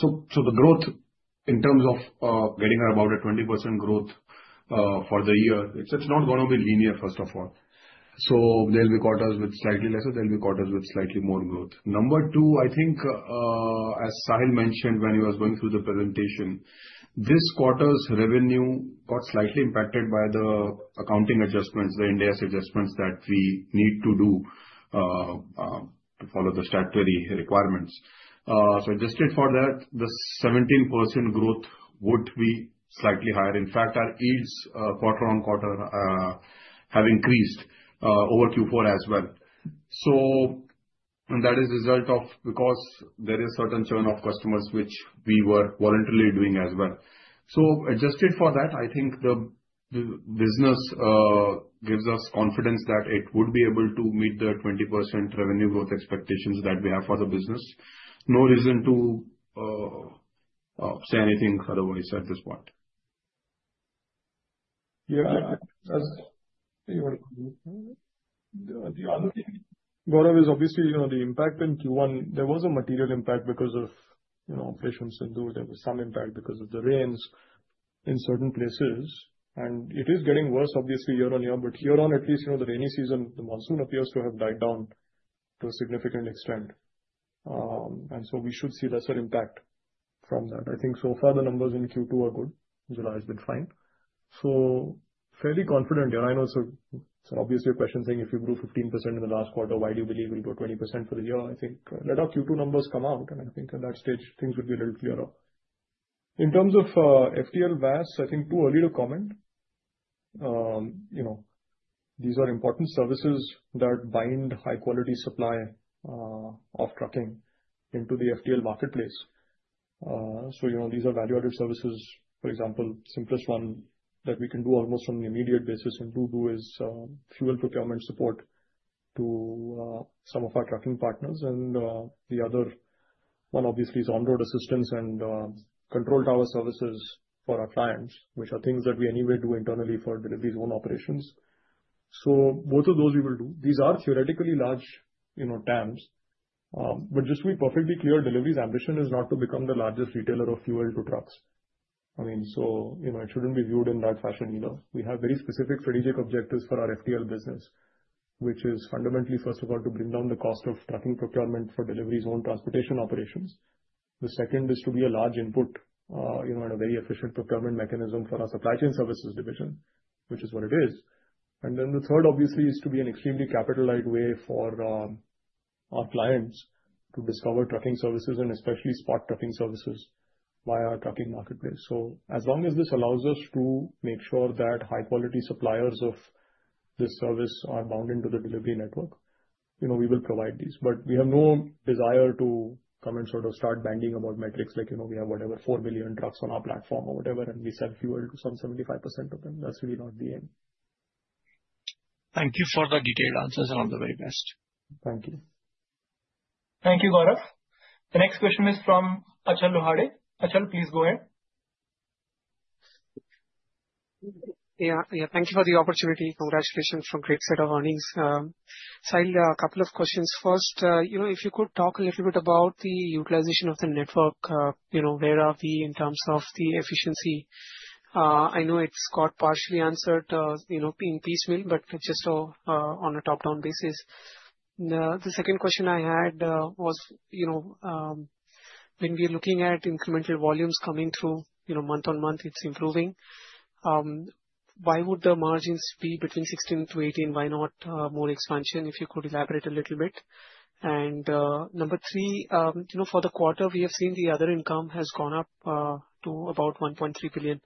The growth in terms. Getting about a 20% growth for the year, it's not going to be linear first of all. There'll be quarters with slightly lesser, there'll be quarters with slightly more growth. Number two, I think as Sahil mentioned when he was going through the presentation, this quarter's revenue got slightly impacted by the accounting adjustments, the Ind AS adjustments that we need to do to follow the statutory requirements. Adjusted for that, the 17% growth would be slightly higher. In fact, our yields quarter on quarter have increased over Q4 as well. So. That is a result of, because there is certain churn of customers which we were voluntarily doing as well. Adjusted for that, I think the business gives us confidence that it would be able to meet the 20% revenue growth expectations that we have for the business. No reason to say anything otherwise at this point. Yeah, Gaurav, obviously, you know, the impact in Q1, there was a material impact because of, you know, Operation Sindhur. There was some impact because of the rains in certain places and it is getting worse obviously year on year. Here on at least, you know, the rainy season, the monsoon appears to have died down to a significant extent and we should see lesser impact. I think so far the numbers in Q2 are good. July has been fine, so fairly confident. I know it's obviously a question saying if you grew 15% in the last quarter, why do you believe we'll go 20% for the year? I think let our Q2 numbers come out and at that stage things would be a little clearer. In terms of FTL VAs, I think too early to comment. These are important services that bind high quality supply of trucking into the FTL marketplace. These are value added services. For example, simplest one that we can do almost on an immediate basis in due course is fuel procurement support to some of our trucking partners. The other one obviously is on road assistance and control tower services for our clients, which are things that we anyway do internally for Delhivery's own operations. Both of those we will do. These are theoretically large TAMs. Just to be perfectly clear, Delhivery's ambition is not to become the largest retailer of fuel to trucks. It shouldn't be viewed in that fashion either. We have very specific strategic objectives for our FTL business, which is fundamentally, first of all, to bring down the cost of trucking procurement for Delhivery's own transportation operations. The second is to be a large input and a very efficient procurement mechanism for our supply chain services division, which is what it is. The third obviously is to be an extremely capital light way for our clients to discover trucking services and especially spot trucking services via trucking marketplace. As long as this allows us to make sure that high quality suppliers of this service are bound into the Delhivery network, we will provide these, but we have no desire to come and sort of start banging about metrics like, you know, we have whatever 4 billion trucks on our platform or whatever and we sell fuel to 75% of them. That's really not the end. Thank you for the detailed answers and all the very best. Thank you. Thank you, Gaurav. The next question is from Achal. Achal, please go ahead. Thank you for the opportunity. Congratulations for a great set of earnings. Sahil, a couple of questions. First, if you could talk a little bit about the utilization of the network. Where are we in terms of the efficiency? I know it's got partially answered in piecemeal, but just on a top down basis. The second question I had was when we are looking at incremental volumes coming through month on month, it's improving. Why would the margins be between 16%-18%, why not more expansion? If you could elaborate a little bit. Number three, for the quarter we have seen the other income has gone up to about 1.3 billion.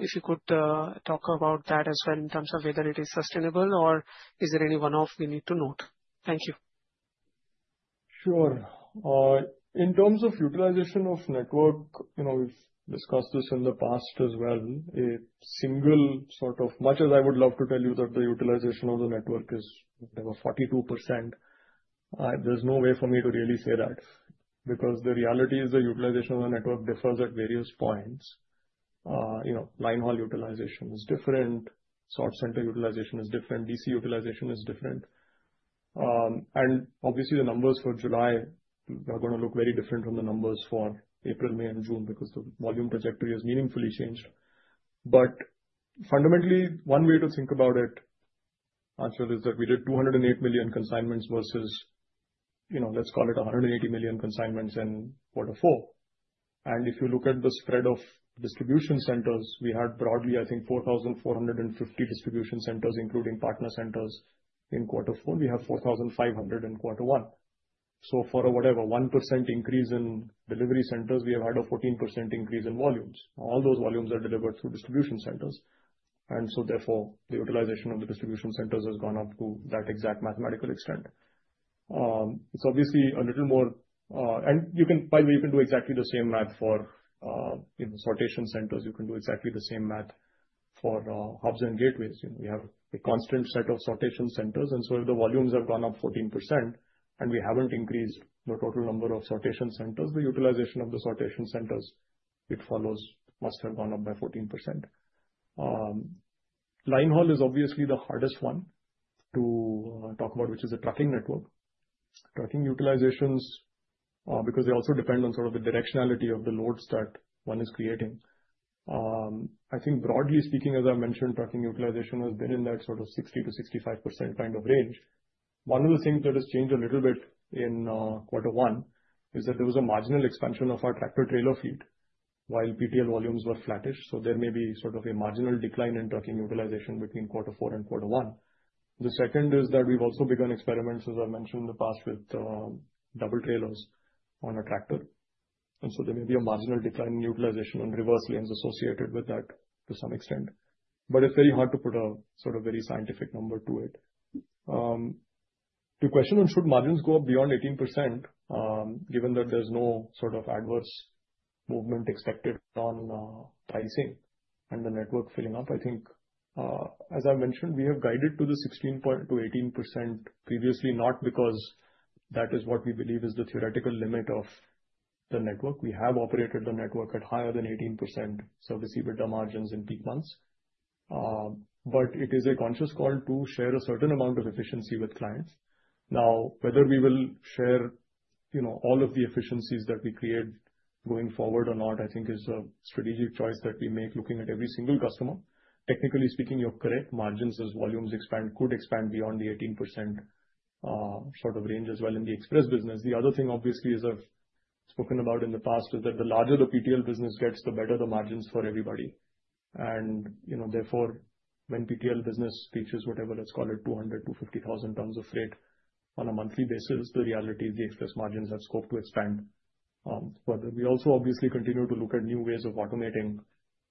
If you could talk about that as well in terms of whether it is sustainable or is there any one-off we need to note. Thank you. Sure. In terms of utilization of network, we've discussed this in the past as well. Much as I would love to tell you that the utilization of the network is whatever 42%, there's no way for me to really say that because the reality is the utilization of the network differs at various points. Line haul utilization is different, sort center utilization is different, DC utilization is different. Obviously, the numbers for July are going to look very different from the numbers for April, May, and June because the volume trajectory has meaningfully changed. Fundamentally, one way to think about it is that we did 208 million consignments versus, let's call it, 180 million consignments in quarter four. If you look at the spread of distribution centers, we had broadly, I think, 4,450 distribution centers, including partner centers in quarter four. We have 4,500 in quarter one. For a 1% increase in delivery centers, we have had a 14% increase in volumes. All those volumes are delivered through distribution centers, and therefore the utilization of the distribution centers has gone up to that exact mathematical extent. It's obviously a little more. By the way, you can do exactly the same math for sortation centers. You can do exactly the same math for hubs and gateways. We have a constant set of sortation centers, and if the volumes have gone up 14% and we haven't increased the total number of sortation centers, the utilization of the sortation centers, it follows, must have gone up by 14%. Line haul is obviously the hardest one to talk about, which is a trucking network, trucking utilizations, because they also depend on the directionality of the loads that one is creating. I think, broadly speaking, as I mentioned, trucking utilization has been in that 60%-65% kind of range. One of the things that has changed a little bit in quarter one is that there was a marginal expansion of our tractor trailer fleet while PTL volumes were flattish. There may be a marginal decline in trucking utilization between quarter four and quarter one. The second is that we've also begun experiments, as I mentioned in the past, with double trailers on a tractor, and there may be a marginal decline in utilization on reverse lanes associated with that to some extent, but it's very hard to put a very scientific number to it. The question on should margins go up beyond 18% given that there's no sort of adverse movement expected on pricing and the network filling up. I think as I mentioned, we have guided to the 16%-18% previously, not because that is what we believe is the theoretical limit of the network. We have operated the network at higher than 18% service EBITDA margins in peak months. It is a conscious call to share a certain amount of efficiency with clients. Now, whether we will share all of the efficiencies that we create going forward or not, I think is a strategic choice that we make looking at every single customer. Technically speaking, you're correct, margins as volumes expand, could expand beyond the 18% sort of range as well in the express business. The other thing obviously, as I've spoken about in the past, is that the larger the PTL business gets, the better the margins for everybody. Therefore, when the PTL business reaches whatever, let's call it, 200,000 tonnes, 250,000 tonnes of freight on a monthly basis, the reality is the express margins have scope to expand further. We also obviously continue to look at new ways of automating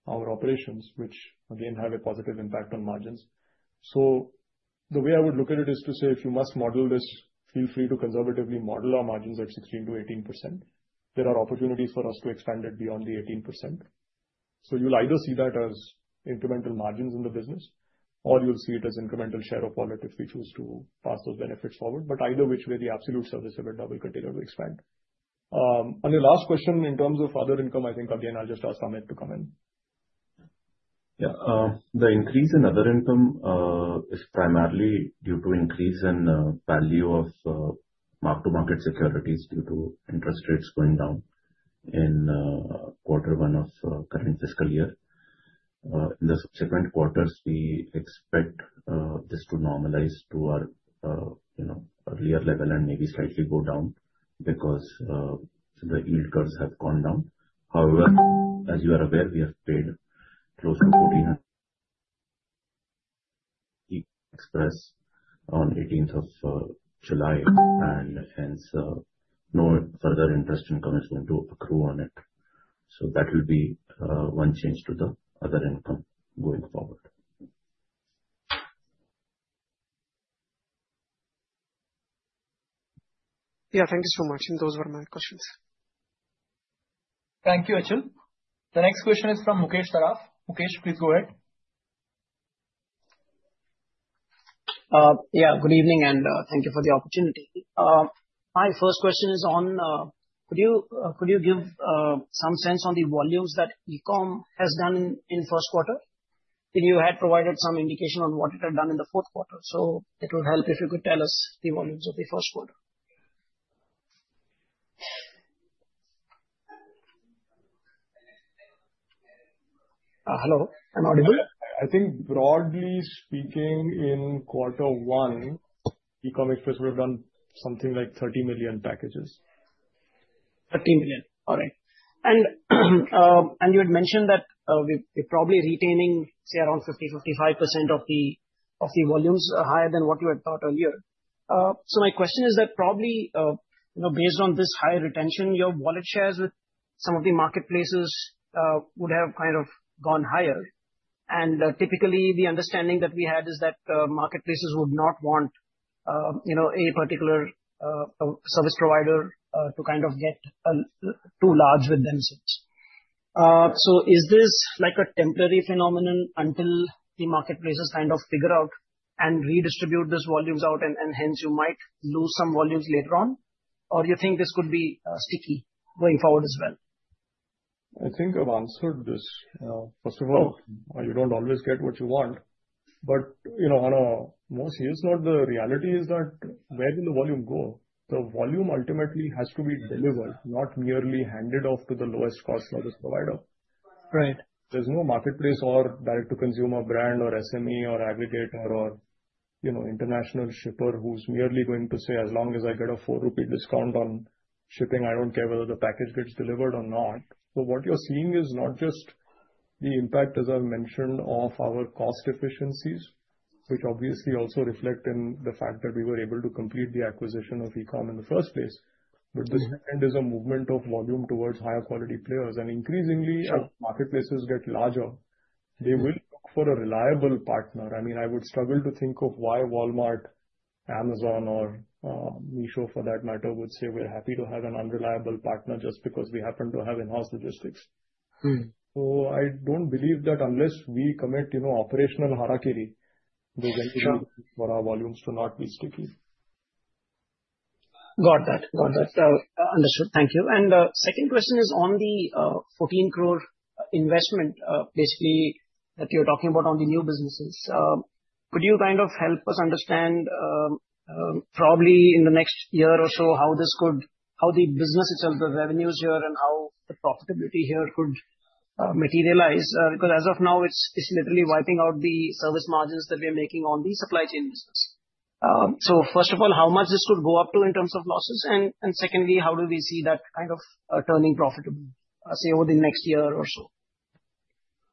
our operations, which again have a positive impact on margins. The way I would look at it is to say, if you must model this, feel free to conservatively model our margins at 16%-18%. There are opportunities for us to expand it beyond the 18%. You'll either see that as incremental margins in the business or you'll see it as incremental share of wallet if we choose to pass those benefits forward. Either which way, the absolute service EBITDA will continue to expand. On the last question in terms of other income, I think again, I'll just ask Amit to come in. Yeah, the increase in other income is. Primarily due to increase in value of mark to market securities due to interest rates going down in quarter one of current fiscal year. In the subsequent quarters, we expect this to normalize to our earlier level and maybe slightly go down because the yield curves have gone down. However, as you are aware, we have paid close to INR 1,400 million on 18th of July and hence no further interest income is going to accrue on it. That will be one change to the other income going forward. Yeah, thank you so much. Those were my questions. Thank you, Ajith. The next question is from Mukesh Saraf. Mukesh, please go ahead. Yeah, good evening and thank you for the opportunity. My first question is on could you give some sense on the volumes that Ecom Express has done in the first quarter? You had provided some indication on what it had done in the fourth quarter. It would help if you could tell us the volumes of the first quarter. Hello, I'm audible. I think broadly speaking, in quarter one, Ecom Express would have done something like 30 million packages. 30 million. All right. You had mentioned that we're probably retaining say around 50%-55% of the volumes, higher than what you had thought earlier. My question is that probably based on this high retention, your wallet shares with some of the marketplaces would have kind of gone higher. Typically, the understanding that we had is that marketplaces would not want a particular service provider to kind of get too large with themselves. Is this like a temporary phenomenon until the marketplaces kind of figure out and redistribute these volumes out, and hence you might lose some volumes later on? Or do you think this could be sticky going forward as well? I think I've answered this. First of all, you don't always get what you want. On a more serious note, the reality is that where will the volume go? The volume ultimately has to be delivered, not merely handed off to the lowest cost service provider. Right. There's no marketplace or direct-to-consumer brand or SME or aggregator or, you know, international shipper who's merely going to say as long as I get a 4 rupee discount on shipping, I don't care whether the package gets delivered or not. What you're seeing is not just the impact, as I mentioned, of our cost efficiencies, which obviously also reflect in the fact that we were able to complete the acquisition of Ecom Express in the first place. This is a movement of volume towards higher quality players. As marketplaces get larger, they will look for a reliable partner. I would struggle to think of why Walmart, Amazon, or Meesho for that matter would say we're happy to have an unreliable partner just because we happen to have in-house logistics. I don't believe that unless we commit, you know, operational harakiri for our volumes to not be sticky. Got that. Got that. Understood. Thank you. The second question is on the 14 crore investment basically that you're talking about on the new businesses. Could you kind of help us understand probably in the next year or so how this could, how the business itself, the revenues here, and how the profitability here could materialize? Because as of now it's literally wiping out the service margins that we're making on the supply chain business. First of all, how much this could go up to in terms of losses, and secondly, how do we see that kind of turning profitable, say, over the next year or so?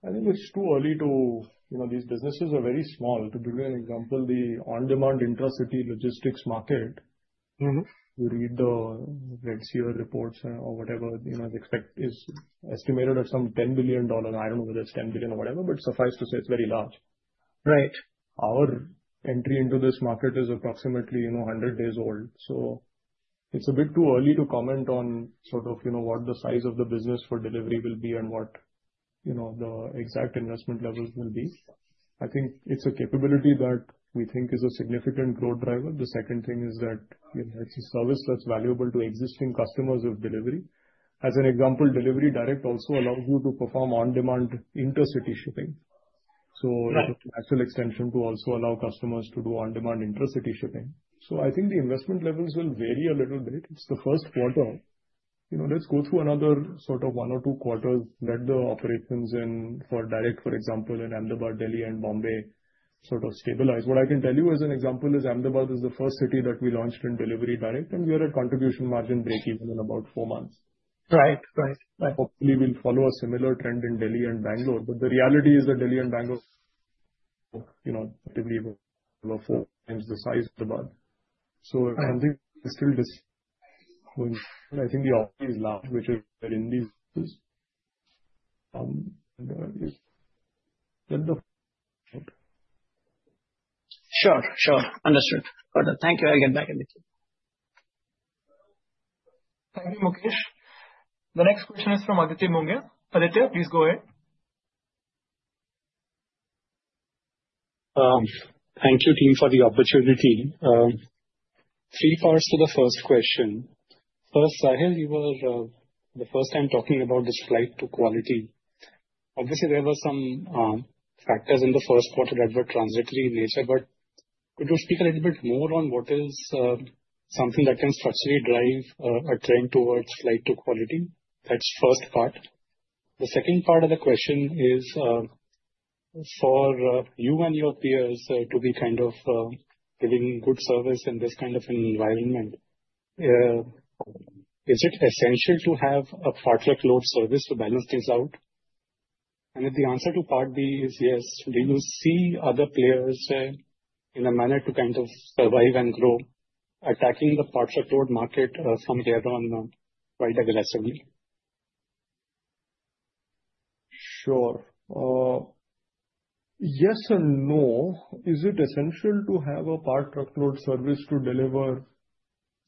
I think it's too early to, you know, these businesses are very small. To give you an example, the on-demand intra-city logistics market, you read the RedSeer reports or whatever, you know, is estimated at some INR 10 billion. I don't know whether it's 10 billion or whatever, but suffice to say it's very large. Right. Our entry into this market is approximately, you know, 100 days old. It's a bit too early to comment on what the size of the business for Delhivery will be and what the exact investment levels will be. I think it's a capability that we think is a significant growth driver. The second thing is that it's a service that's valuable to existing customers of Delhivery. As an example, Delhivery Direct also allows you to perform on-demand intercity shipping. Actual extension to also allow customers to do on-demand intercity shipping. I think the investment levels will vary a little bit. It's the first quarter, let's go through another one or two quarters that the operations for Direct, for example in Ahmedabad, Delhi, and Bombay, sort of stabilize. What I can tell you as an example is Ahmedabad is the first city that we launched in Delhivery Direct and we are at contribution margin break even in about four months. Right, right, right. Hopefully we'll follow a similar trend in Delhi and Bangalore. The reality is that Delhi and Bangalore, you know, are four times the size of the bath. I think still I think the is large which is in these. Sure, sure. Understood. Got it. Thank you. I'll get back. Thank you. Mukesh. The next question is from Aditi Munge. Please go ahead. Thank you, team, for the opportunity. Three parts to the first question. First, Sahil, you were the first time. Talking about this flight to quality. Obviously, there were some factors in the. First quarter that were transitory in nature. Could you speak a little bit more on what is something that can structurally drive a trend towards flight to quality? That's the first part. The second part of the question is for you and your peers to be. Kind of giving good service in this kind of environment. Is it essential to have a Part Truckload service to balance things out? If the answer to part B. Is yes, do you see other players? In a manner to kind of survive and grow, attacking the parts of road market somewhere on quite aggressively? Sure, yes and no. Is it essential to have a Part Truckload service to deliver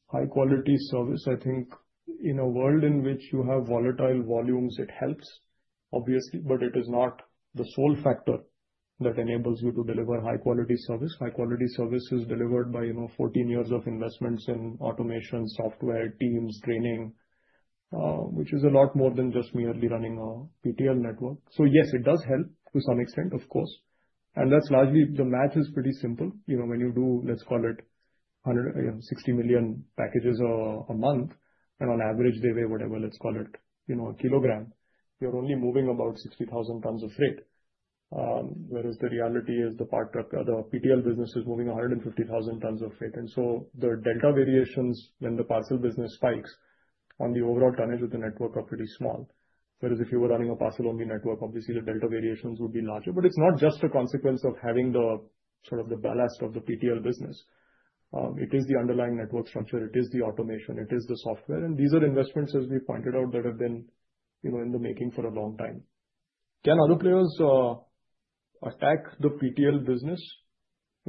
high quality service? I think in a world in which you have volatile volumes, it helps obviously, but it is not the sole factor that enables you to deliver high quality service. High quality service is delivered by 14 years of investments in automation, software, teams, training, which is a lot more than just merely running a PTL network. Yes, it does help to some extent of course. The math is pretty simple. When you do, let's call it 160 million packages a month and on average they weigh whatever, let's call it a kilogram, you're only moving about 60,000 tons of freight. Whereas the reality is the PTL business is moving 150,000 tons. The delta variations when the parcel business spikes on the overall tonnage of the network are pretty small. If you were running a parcel-only network, obviously the delta variations would be larger. It is not just a consequence of having the ballast of the PTL business. It is the underlying network structure, it is the automation, it is the software. These are investments, as we pointed out, that have been in the making for a long time. Can other players attack the PTL business?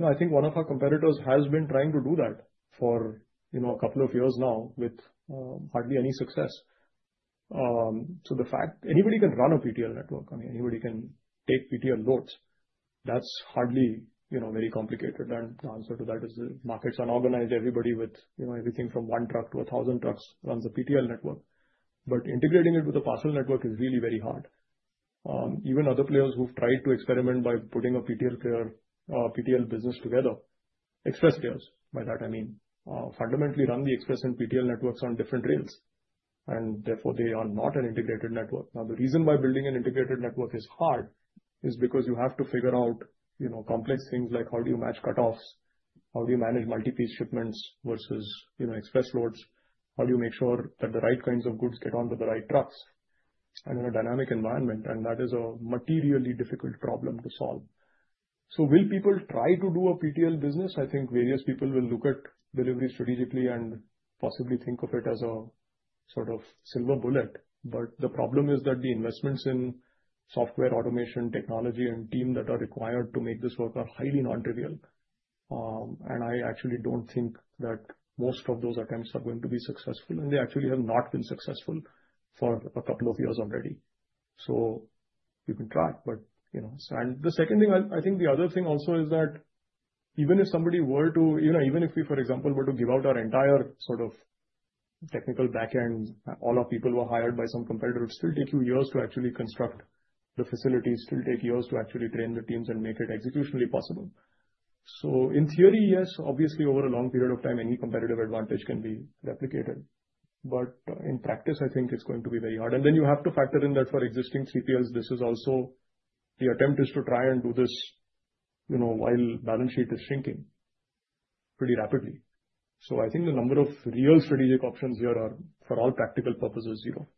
I think one of our competitors has been trying to do that for a couple of years now with hardly any success. The fact anybody can run a PTL network, I mean anybody can take PTL loads, that's hardly very complicated. The answer to that is the market is unorganized, everybody with everything from one truck to a thousand trucks runs the PTL network. Integrating it with a parcel network is really very hard. Even other players who've tried to experiment by putting a PTL business together, express players, by that I mean fundamentally run the express and PTL networks on different rails and therefore they are not an integrated network. The reason why building an integrated network is hard is because you have to figure out complex things like how do you match cutoffs, how do you manage multi-piece shipments versus express loads, how do you make sure that the right kinds of goods get onto the right trucks and in a dynamic environment. That is a materially difficult problem to solve. Will people try to do a PTL business? I think various people will look at Delhivery strategically and possibly think of it as a sort of silver bullet. The problem is that the investments in software, automation technology, and team that are required to make this work are highly non-trivial. I actually don't think that most of those attempts are going to be successful, and they actually have not been successful for a couple of years already. You can try, but you know, the second thing I think, the other thing also is that even if somebody were to, you know, even if we, for example, were to give out our entire sort of technical back end, all our people were hired by some competitor, it would still take you years to actually construct the facilities, still take years to actually train the teams and make it executionally possible. In theory, yes, obviously over a long period of time any competitive advantage can be replicated. In practice, I think it's going to be very hard. You have to factor in that for existing CPLs, the attempt is to try and do this while the balance sheet is shrinking pretty rapidly. I think the number of real strategic options here are for all practical purposes zero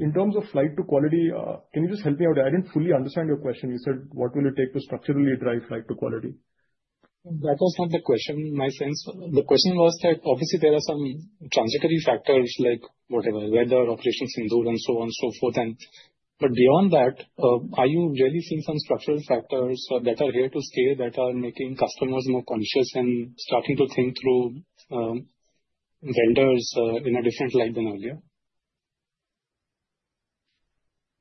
in terms of flight to quality. Can you just help me out? I didn't fully understand your question. You said what will it take to structurally drive flight to quality? Quality. That was not the question, my friends. The question was that obviously there are some transitory factors like whatever, weather operations, Hindu and so on, so forth. Beyond that, are you really seeing some structural factors that are here to scale that are making customers more conscious and starting to think through vendors. In a different light than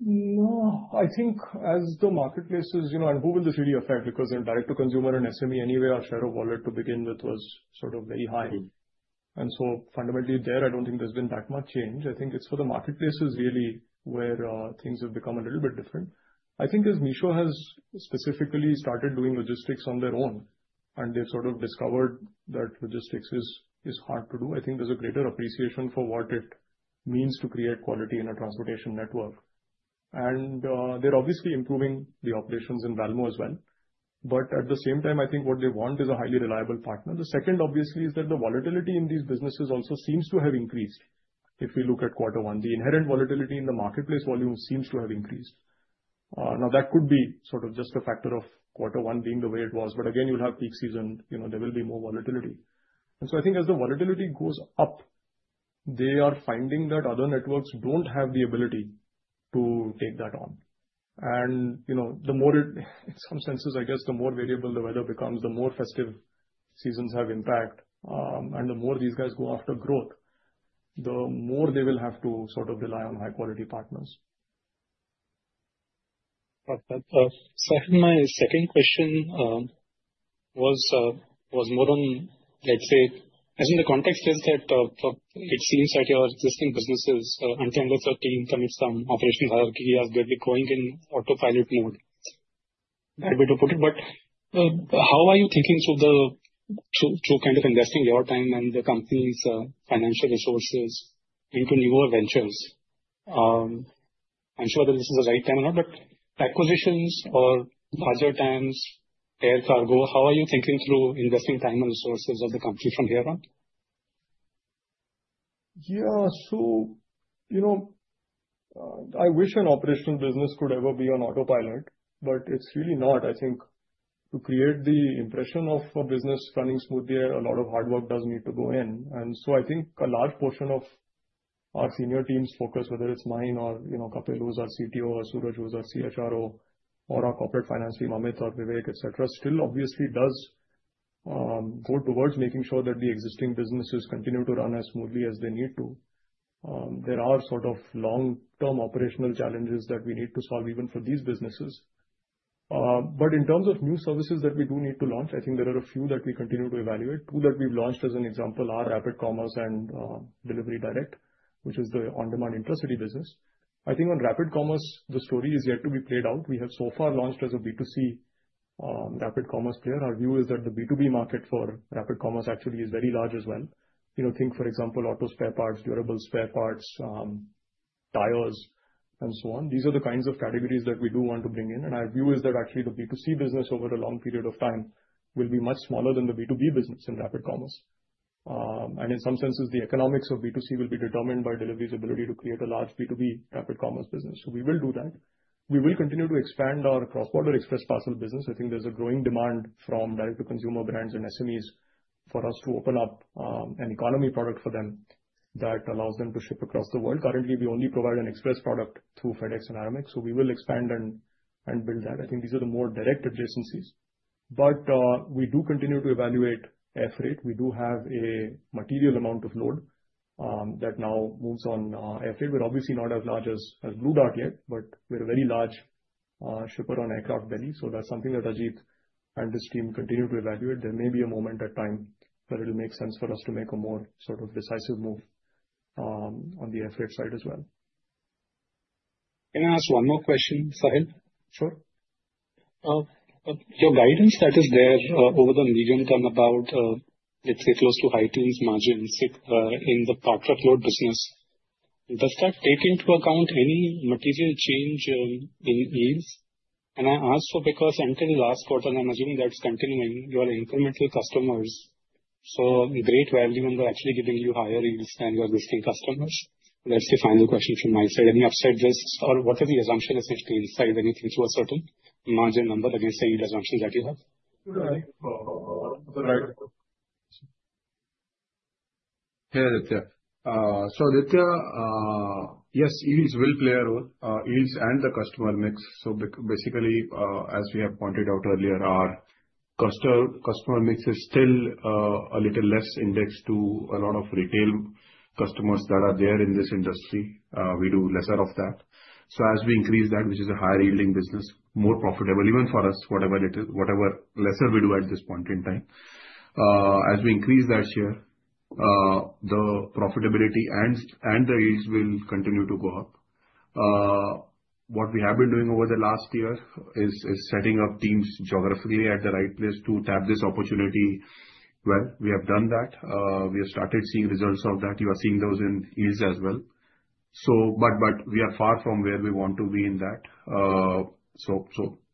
earlier. No, I think as the marketplaces, you know, who will this really affect? Because in Direct to Consumer and SME anyway or Shadow Wallet to begin with was sort of very high. Fundamentally there I don't think there's been that much change. I think it's for the marketplaces really where things have become a little bit different. I think as Meesho has specifically started doing logistics on their own and they've sort of discovered that logistics is hard to do. I think there's a greater appreciation for what it means to create quality in a transportation network, and they're obviously improving the operations in Valmo as well. At the same time, I think what they want is a highly reliable partner. The second, obviously, is that the volatility in these businesses also seems to have increased. If we look at quarter one, the inherent volatility in the marketplace volume seems to have increased. That could be sort of just a factor of quarter one being the way it was. You'll have peak season, there will be more volatility. I think as the volatility goes up, they are finding that other networks don't have the ability to take that on. The more, in some senses, I guess the more variable the weather becomes, the more festive seasons have impact and the more these guys go after growth, the more they will have to sort of rely on high quality partners. My second question was more on, let's say, as in the context is that it seems that your existing businesses until under 13 commit some operational hierarchy as we'll be going in autopilot mode. That way to put it. How are you thinking through kind of investing your time and the company's financial resources into newer ventures? I'm sure that this is right. Acquisitions or larger times, air cargo, how are you thinking. Through investing time and resources of the company from here on? Yeah, so, you know, I wish an operational business could ever be on autopilot, but it's really not. I think to create the impression of a business running smoothly, a lot of hard work does need to go in. I think a large portion of our senior team's focus, whether it's mine or, you know, Kapil, who's our CTO, or Suraj, who's our CHRO, or our Corporate Finance team, Amit or Vivek, etc., still obviously does go towards making sure that the existing businesses continue to run as smoothly as they need to. There are sort of long-term operational challenges that we need to solve even for these businesses. In terms of new services that we do need to launch, I think there are a few that we continue to evaluate. Two that we've launched as an example are Rapid Commerce and Delhivery Direct, which is the on-demand intra-city business. I think on Rapid Commerce the story is yet to be played out. We have so far launched as a B2C Rapid Commerce player. Our view is that the B2B market for Rapid Commerce actually is very large as well. You know, think for example auto spare parts, durable spare parts, tires and so on. These are the kinds of categories that we do want to bring in. Our view is that actually the B2C business over a long period of time will be much smaller than the B2B business in Rapid Commerce. In some senses, the economics of B2C will be determined by Delhivery's ability to create a large B2B Rapid Commerce business. We will do that. We will continue to expand our cross-border Express Parcel business. I think there's a growing demand from direct-to-consumer brands and SMEs for us to open up an economy product for them that allows them to ship across the world. Currently, we only provide an express product through FedEx and Aramex. We will expand and build that. I think these are the more direct adjacencies. We do continue to evaluate airfreight. We do have a material amount of load that now moves on airfreight. We're obviously not as large as Blue Dart Express yet, but we're a very large shipper on aircraft in Delhi. That's something that Ajith and his team continue to evaluate. There may be a moment in time when it'll make sense for us to make a more sort of decisive move on the airfreight side as well. Can I ask one more question, Sahil? Sure. Your guidance that is there over the medium term about, say, close to high teens margins in the Part Truckload business, does that take into account any material change in yields? I ask because until last quarter, I'm assuming that's continuing your incremental customers, so great value, and they're actually giving you higher yields than your existing customers. That's the final question from my side. Any upside risks or what are the assumptions essentially inside when you think you are certain margin number against any assumptions that you have? Hey, so yes, yields will play a role. Yields and the customer mix. As we have pointed out earlier, our customer mix is still a little less indexed to a lot of retail customers that are there in this industry. We do lesser of that. As we increase that, which is a higher-yielding business, more profitable even for us, whatever it is, whatever lesser we do at this point in time, as we increase that share, the profitability and the yields will continue to go up. What we have been doing over the last year is setting up teams geographically at the right place to tap this opportunity. We have done that. We have started seeing results of that. You are seeing those in ease as well. We are far from where we want to be in that.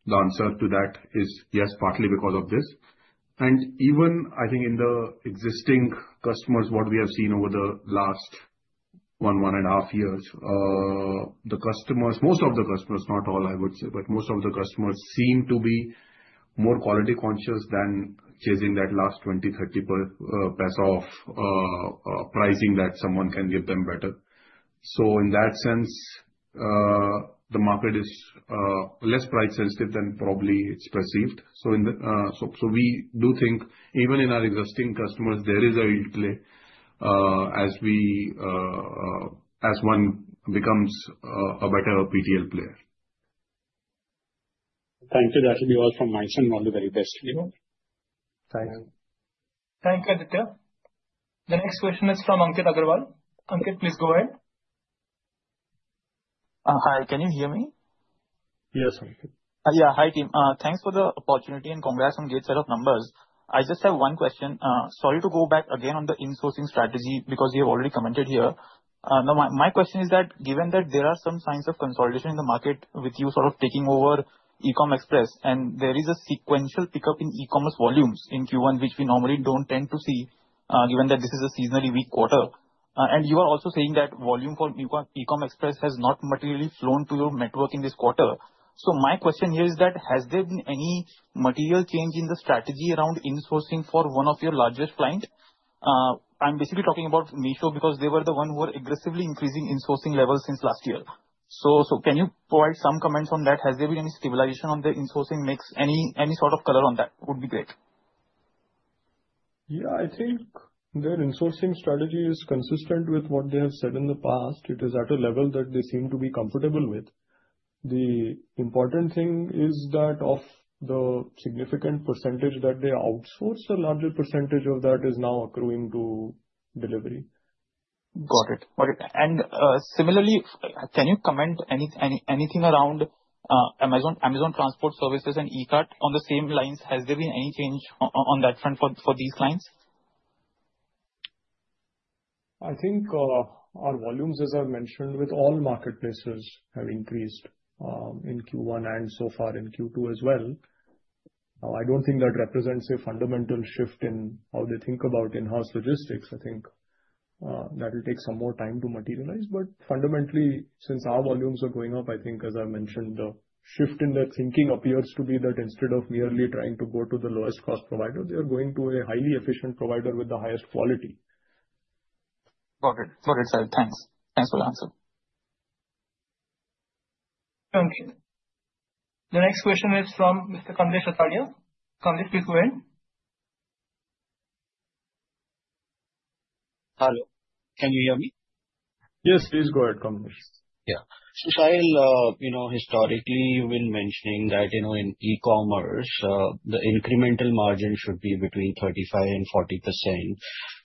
The answer to that is yes, partly because of this, and even I think in the existing customers, what we have seen over the last one, one and a half years, most of the customers, not all I would say, but most of the customers seem to be more quality conscious than chasing that last 0.20 or INR 0.30 off pricing that someone can give them better. In that sense, the market is less price sensitive than probably it's perceived. We do think even in our existing customers there is a play as one becomes a better PTL player. Thank you. That will be all from my side. All the very best. Thanks. Thank you, Aditya. The next question is from Ankit Agarwal. Ankit, please go ahead. Hi, can you hear me? Yes. Yeah. Hi team. Thanks for the opportunity and congrats on great set of numbers. I just have one question. Sorry to go back again on the insourcing strategy because you have already commented here. My question is that given that there are some signs of consolidation in the market with you sort of taking over Ecom Express and there is a sequential pickup in e-commerce volumes in Q1, which we normally don't tend to see given that this is a seasonally weak quarter. You are also saying that volume for Ecom Express has not materially flown to your network in this quarter. My question here is that has there been any material change in the strategy around insourcing for one of your largest clients? I'm basically talking about Meesho because they were the one who were aggressively increasing insourcing levels since last year. Can you provide some comments on that? Has there been any stabilization on the insourcing mix? Any sort of color on that would be great. Yeah. I think their insourcing strategy is consistent with what they have said in the past. It is at a level that they seem to be comfortable with. The important thing is that of the significant percentage that they outsource, a larger percentage of that is now accruing to Delhivery. Got it. Can you comment anything around Amazon Transport Services and E Cart on the same lines? Has there been any change on that front for these clients? I think our volumes, as I mentioned with all marketplaces, have increased in Q1 and so far in Q2 as well. I don't think that represents a fundamental shift in how they think about in-house logistics. I think that will take some more time to materialize. Fundamentally, since our volumes are going up, I think, as I mentioned, the shift in their thinking appears to be that instead of merely trying to go to the lowest cost provider, they are going to a highly efficient provider with the highest quality. Got it? Got it, sir. Thanks. Thanks for the answer. Thank you. The next question is from Mr. Katarian. Hello, can you hear me? Yes, please, go ahead. You know, historically you've been mentioning. That, you know, in E-commerce the incremental margin should be between 35% and 40%.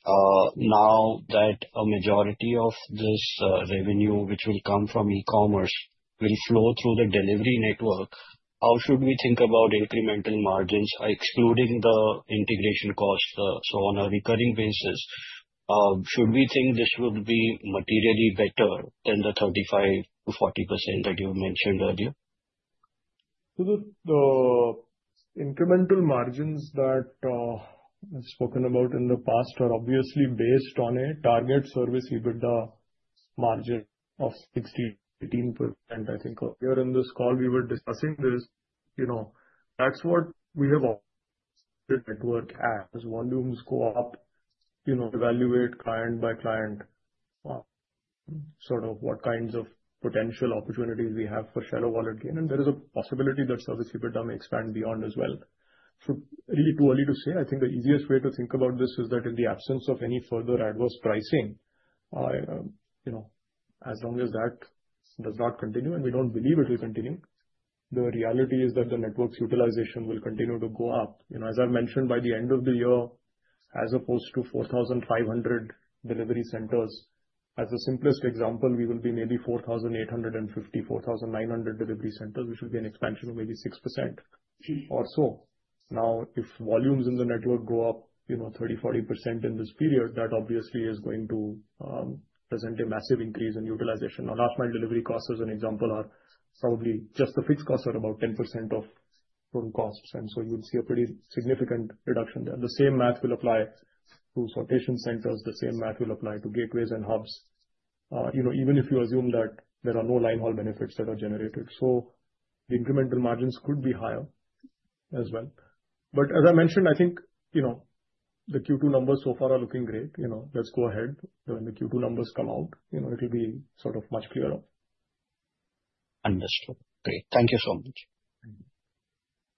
Now that a majority of this revenue which will come from E-commerce will flow through the Delhivery network, how should we think about incremental margins excluding the integration cost? On a recurring basis, should we think this will be materially better than the 35%-40% that you mentioned earlier? The incremental margins that I've spoken about in the past are obviously based on a target service EBITDA margin of 16%-18%. I think earlier in this call we were discussing this. You know, that's what we have at work as volumes go up, you know, evaluate client by client, sort of what kinds of potential opportunities we have for shallow wallet gain. There is a possibility that service EBITDA may expand beyond as well. It's really too early to say. I think the easiest way to think about this is that in the absence of any further adverse pricing, as long as that does not continue, and we don't believe it will continue, the reality is that the network's utilization will continue to go up. As I mentioned, by the end of the year, as opposed to 4,500 delivery centers, as the simplest example, we will be maybe 4,850, 4,900 delivery centers, which will be an expansion of maybe 6% or so. Now, if volumes in the network go up, you know, 30%-40% in this period, that obviously is going to present a massive increase in utilization. Last mile delivery costs, as an example, are probably just the fixed costs are about 10% of total costs, and you'll see a pretty significant reduction there. The same math will apply to sortation centers. The same math will apply to gateways and hubs. You know, even if you assume that there are no line haul benefits that are generated, the incremental margins could be higher as well. As I mentioned, I think, you know, the Q2 numbers so far are looking great. Let's go ahead. When the Q2 numbers come out, it'll be sort of much clearer. Understood. Great, thank you so much.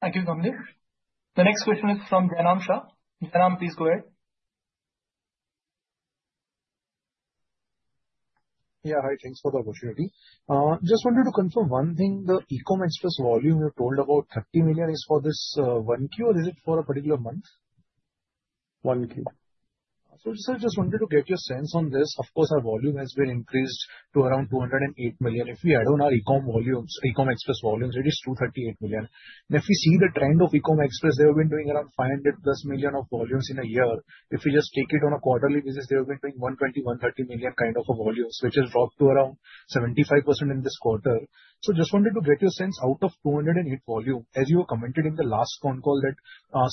Thank you. The next question is from Janam Shah Janam. Please go ahead. Yeah, hi. Thanks for the opportunity. Just wanted to confirm one thing. The Ecom Express volume you told about 30 million is for this 1Q or is it for a particular month? 1Q, so I just wanted to get. Your sense on this. Of course, our volume has been increased to around 208 million. If we add on our Ecom Express volumes, it is 238 million. If we see the trend of Ecom Express, they have been doing around 500+ million of volumes in a year. If we just take it on a quarterly basis, they have been doing 120 million, 130 million kind of volumes, which has dropped to around 75% in this quarter. Just wanted to get your sense out of 208 volume. As you commented in the last phone call that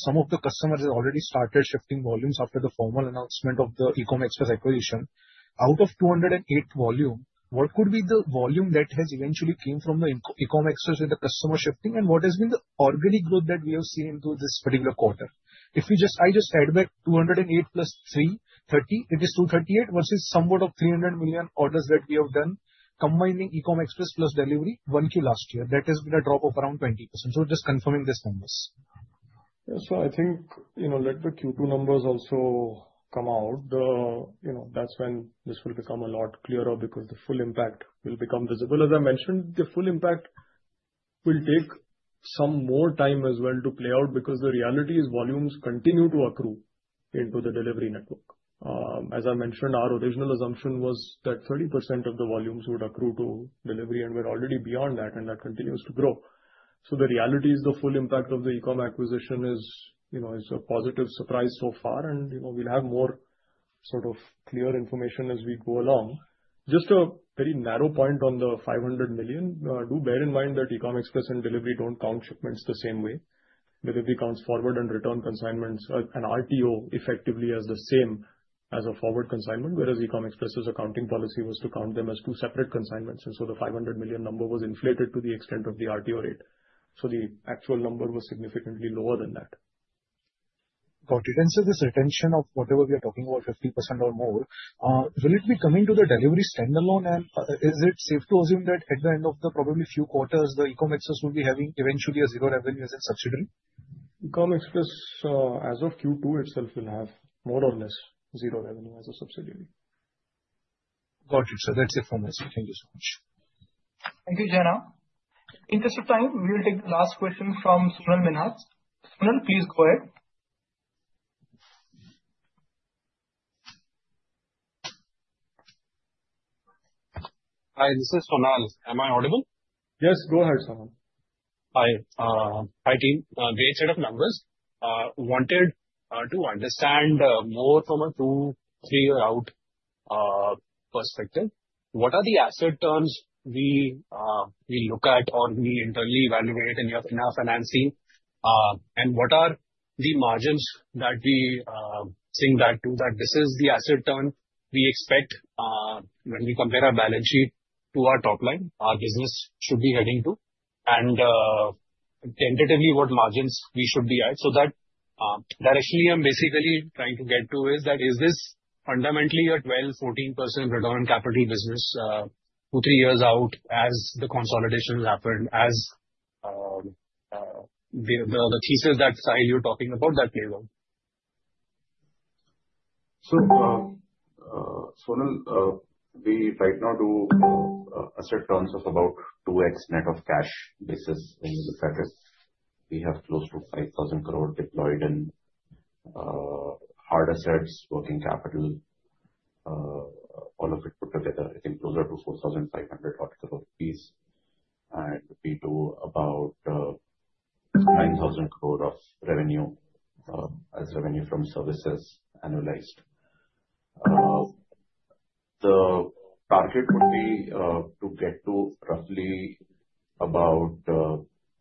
some of the customers already started shifting volumes after the formal announcement of the Ecom Express acquisition. Out of 208 volume, what could be. The volume that has eventually come from Ecom Express with the customer shifting? What has been the organic growth that we have seen in this particular quarter? If I just add back 208/330, it is 238 versus somewhat of 300 million orders that we have done combining Ecom Express plus Delhivery. 1Q last year that has been a drop of around 20%. Just confirming these numbers. I think, you know, let the Q2 numbers also come out. That's when this will become a lot clearer because the full impact will become visible. As I mentioned, the full impact will take some more time as well to play out because the reality is volumes continue to accrue into the Delhivery network. As I mentioned, our original assumption was that 30% of the volumes would accrue to Delhivery and we're already beyond that and that continues to grow. The reality is the full impact of the Ecom Express acquisition is a positive surprise so far and we'll have more sort of clear information as we go along. Just a very narrow point on the 500 million. Bear in mind that Ecom Express and Delhivery don't count shipments the same way. Delhivery accounts forward and return consignments, an RTO, effectively as the same as a forward consignment, whereas Ecom Express's accounting policy was to count them as two separate consignments. The 500 million number was inflated to the extent of the RTO rate, so the actual number was significantly lower than that. Got it. This retention of whatever we are talking about, 50% or more, will it be coming to the Delhivery standalone, and is it safe to assume that at the end of probably a few quarters, the Ecom Express will be having eventually zero revenue as a subsidiary? Ecom Express as of Q2 itself will have more or less zero revenue as a subsidiary. Got it, sir. That's it for myself. Thank you so much. Thank you, Jana. In the interest of time, we will take the last question from Sunal Minhas. Sunal, please go ahead. Hi, this is Sonal. Am I audible? Yes, go ahead. Hi team. Great set of numbers. Wanted to understand more from a 23-year-out perspective, what are the asset turns we look at or we internally evaluate in our financing, and what are the margins that we think that this is the asset turn we expect when we compare our balance sheet to our top line our business should be heading to, and tentatively what margins we should be at. The direction I'm basically trying to get to is that is this fundamentally a 12%-14% return on capital business 23 years out as the consolidations happen as the thesis that you're talking about plays out. Sonal, we right now do asset turns of about 2x net of cash basis. In the settings, we have close to 5,000 crore deployed in hard assets, working capital, all of it put together. I think closer to 4,500 crore rupees and we do about 9,000 crore of revenue as revenue from services annualized. The target would be to get to roughly about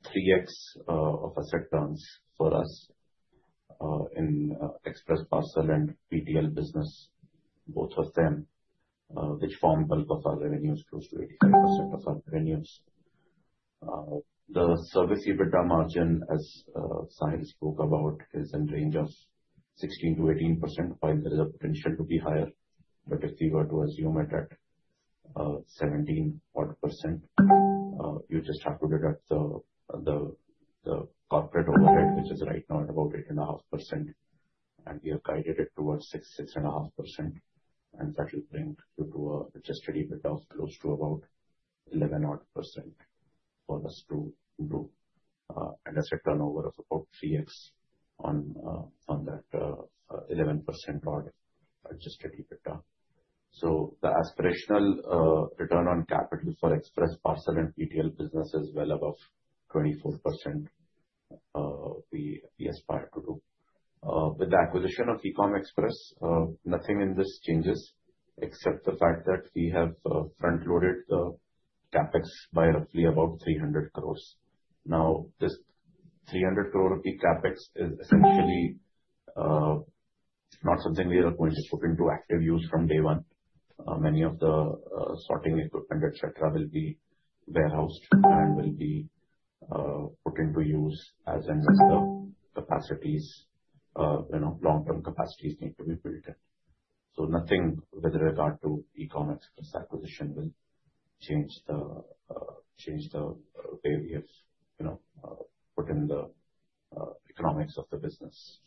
3x of asset turns for us in Express Parcel and PTL business, both of them which form bulk of our revenue, is close to 85% of our premiums. The service EBITDA margin, as Sahil spoke about, is in range of 16%-18%, while there is a potential to be higher, but if you were to assume it at 17% you just have to deduct the corporate overhead, which is right now at about 8.5%, and we have guided it towards 6%, 6.5%, and that will bring you to adjusted EBITDA of close to about 11% for us to do, and that's a turnover of about 3x on that 11% order adjusted EBITDA. The aspirational return on capital for Express Parcel and PTL business is well above 24% we aspire to do with the acquisition of Ecom Express. Nothing in this changes except the fact that we have front loaded the capex by roughly about 300 crore. Now this 300 crore rupee capex is. Essentially. Not something we are going to put into active use from day one. Many of the sorting equipment, etc. will be warehoused and will be put into use as the capacities, you know, long-term capacities need to be built in. Nothing with regard to Ecom Express acquisition will change the way we have, you know, put in the economics of the business.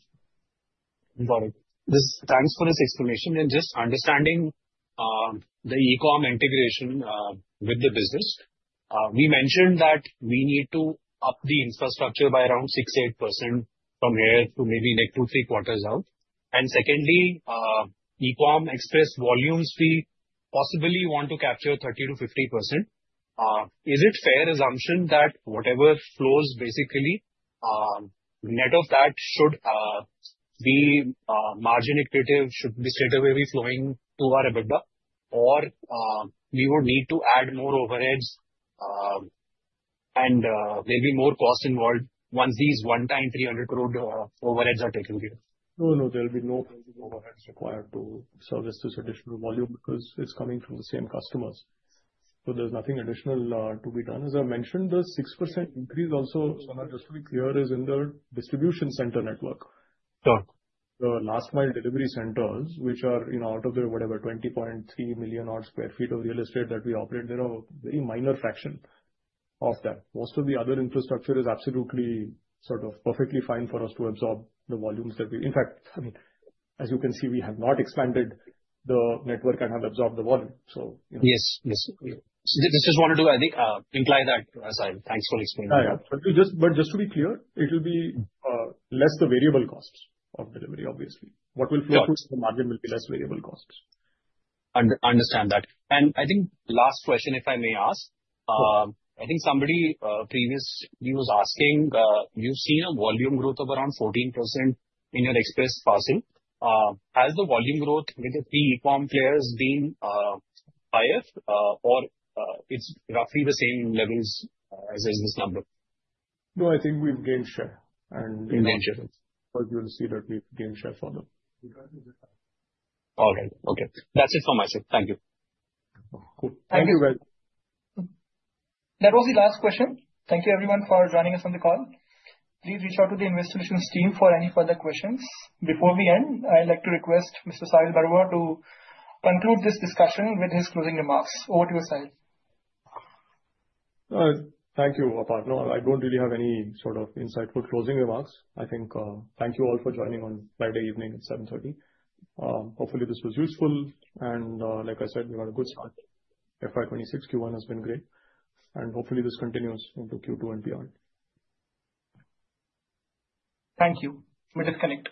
Got it, thanks for this explanation. Just understanding the Ecom Express integration with the business, we mentioned that we need to up the infrastructure by around 6%-8% from here to maybe like 2-3/4 out. Secondly, Ecom Express volumes, we possibly want to capture 30%-50%. Is it a fair assumption that whatever flows basically net of that should be margin accretive, should be straight away be flowing? To our EBITDA, or we would need. To add more overheads and maybe more cost involved once these one-time 300. No, no, there'll be no overheads required to service this additional volume because it's coming from the same customers. There's nothing additional to be done. As I mentioned, the 6% increase also, just to be clear, is in the distribution center network. The last mile delivery centers, which are, you know, out of the whatever 20.3 million odd square feet of real estate that we operate, are a very minor fraction of them. Most of the other infrastructure is absolutely sort of perfectly fine for us to absorb the volumes. In fact, I mean, as you can see, we have not expanded the network and have absorbed the volume. Yes, this is one or two, I think, imply that. Thanks for explaining. Just to be clear, it will be less the variable cost of delivery. Obviously, what will flow to the margin will be less variable cost. I think last question if I may ask. I think somebody previously was asking, you've seen a volume growth of around 14% in your Express Parcel. Has the volume growth with the three Ecom players been higher or it's roughly the same levels as this number? No, I think we've gained share, and you'll see that we've gained share for them. All right. Okay. That's it for myself. Thank you. Thank you. That was the last question. Thank you everyone for joining us on the call. Please reach out to the Investor Relations team for any further questions. Before we end, I'd like to request Mr. Sahil Barua to conclude this discussion with his closing remarks. Over to you, Sahil. Thank you, partner. I don't really have any sort of insightful closing remarks, I think. Thank you all for joining on Friday evening at 7:30 P.M. Hopefully this was useful. Like I said, we've had a good start. FY 2026 Q1 has been great. Hopefully this continues into Q2 and beyond. Thank you. You may disconnect.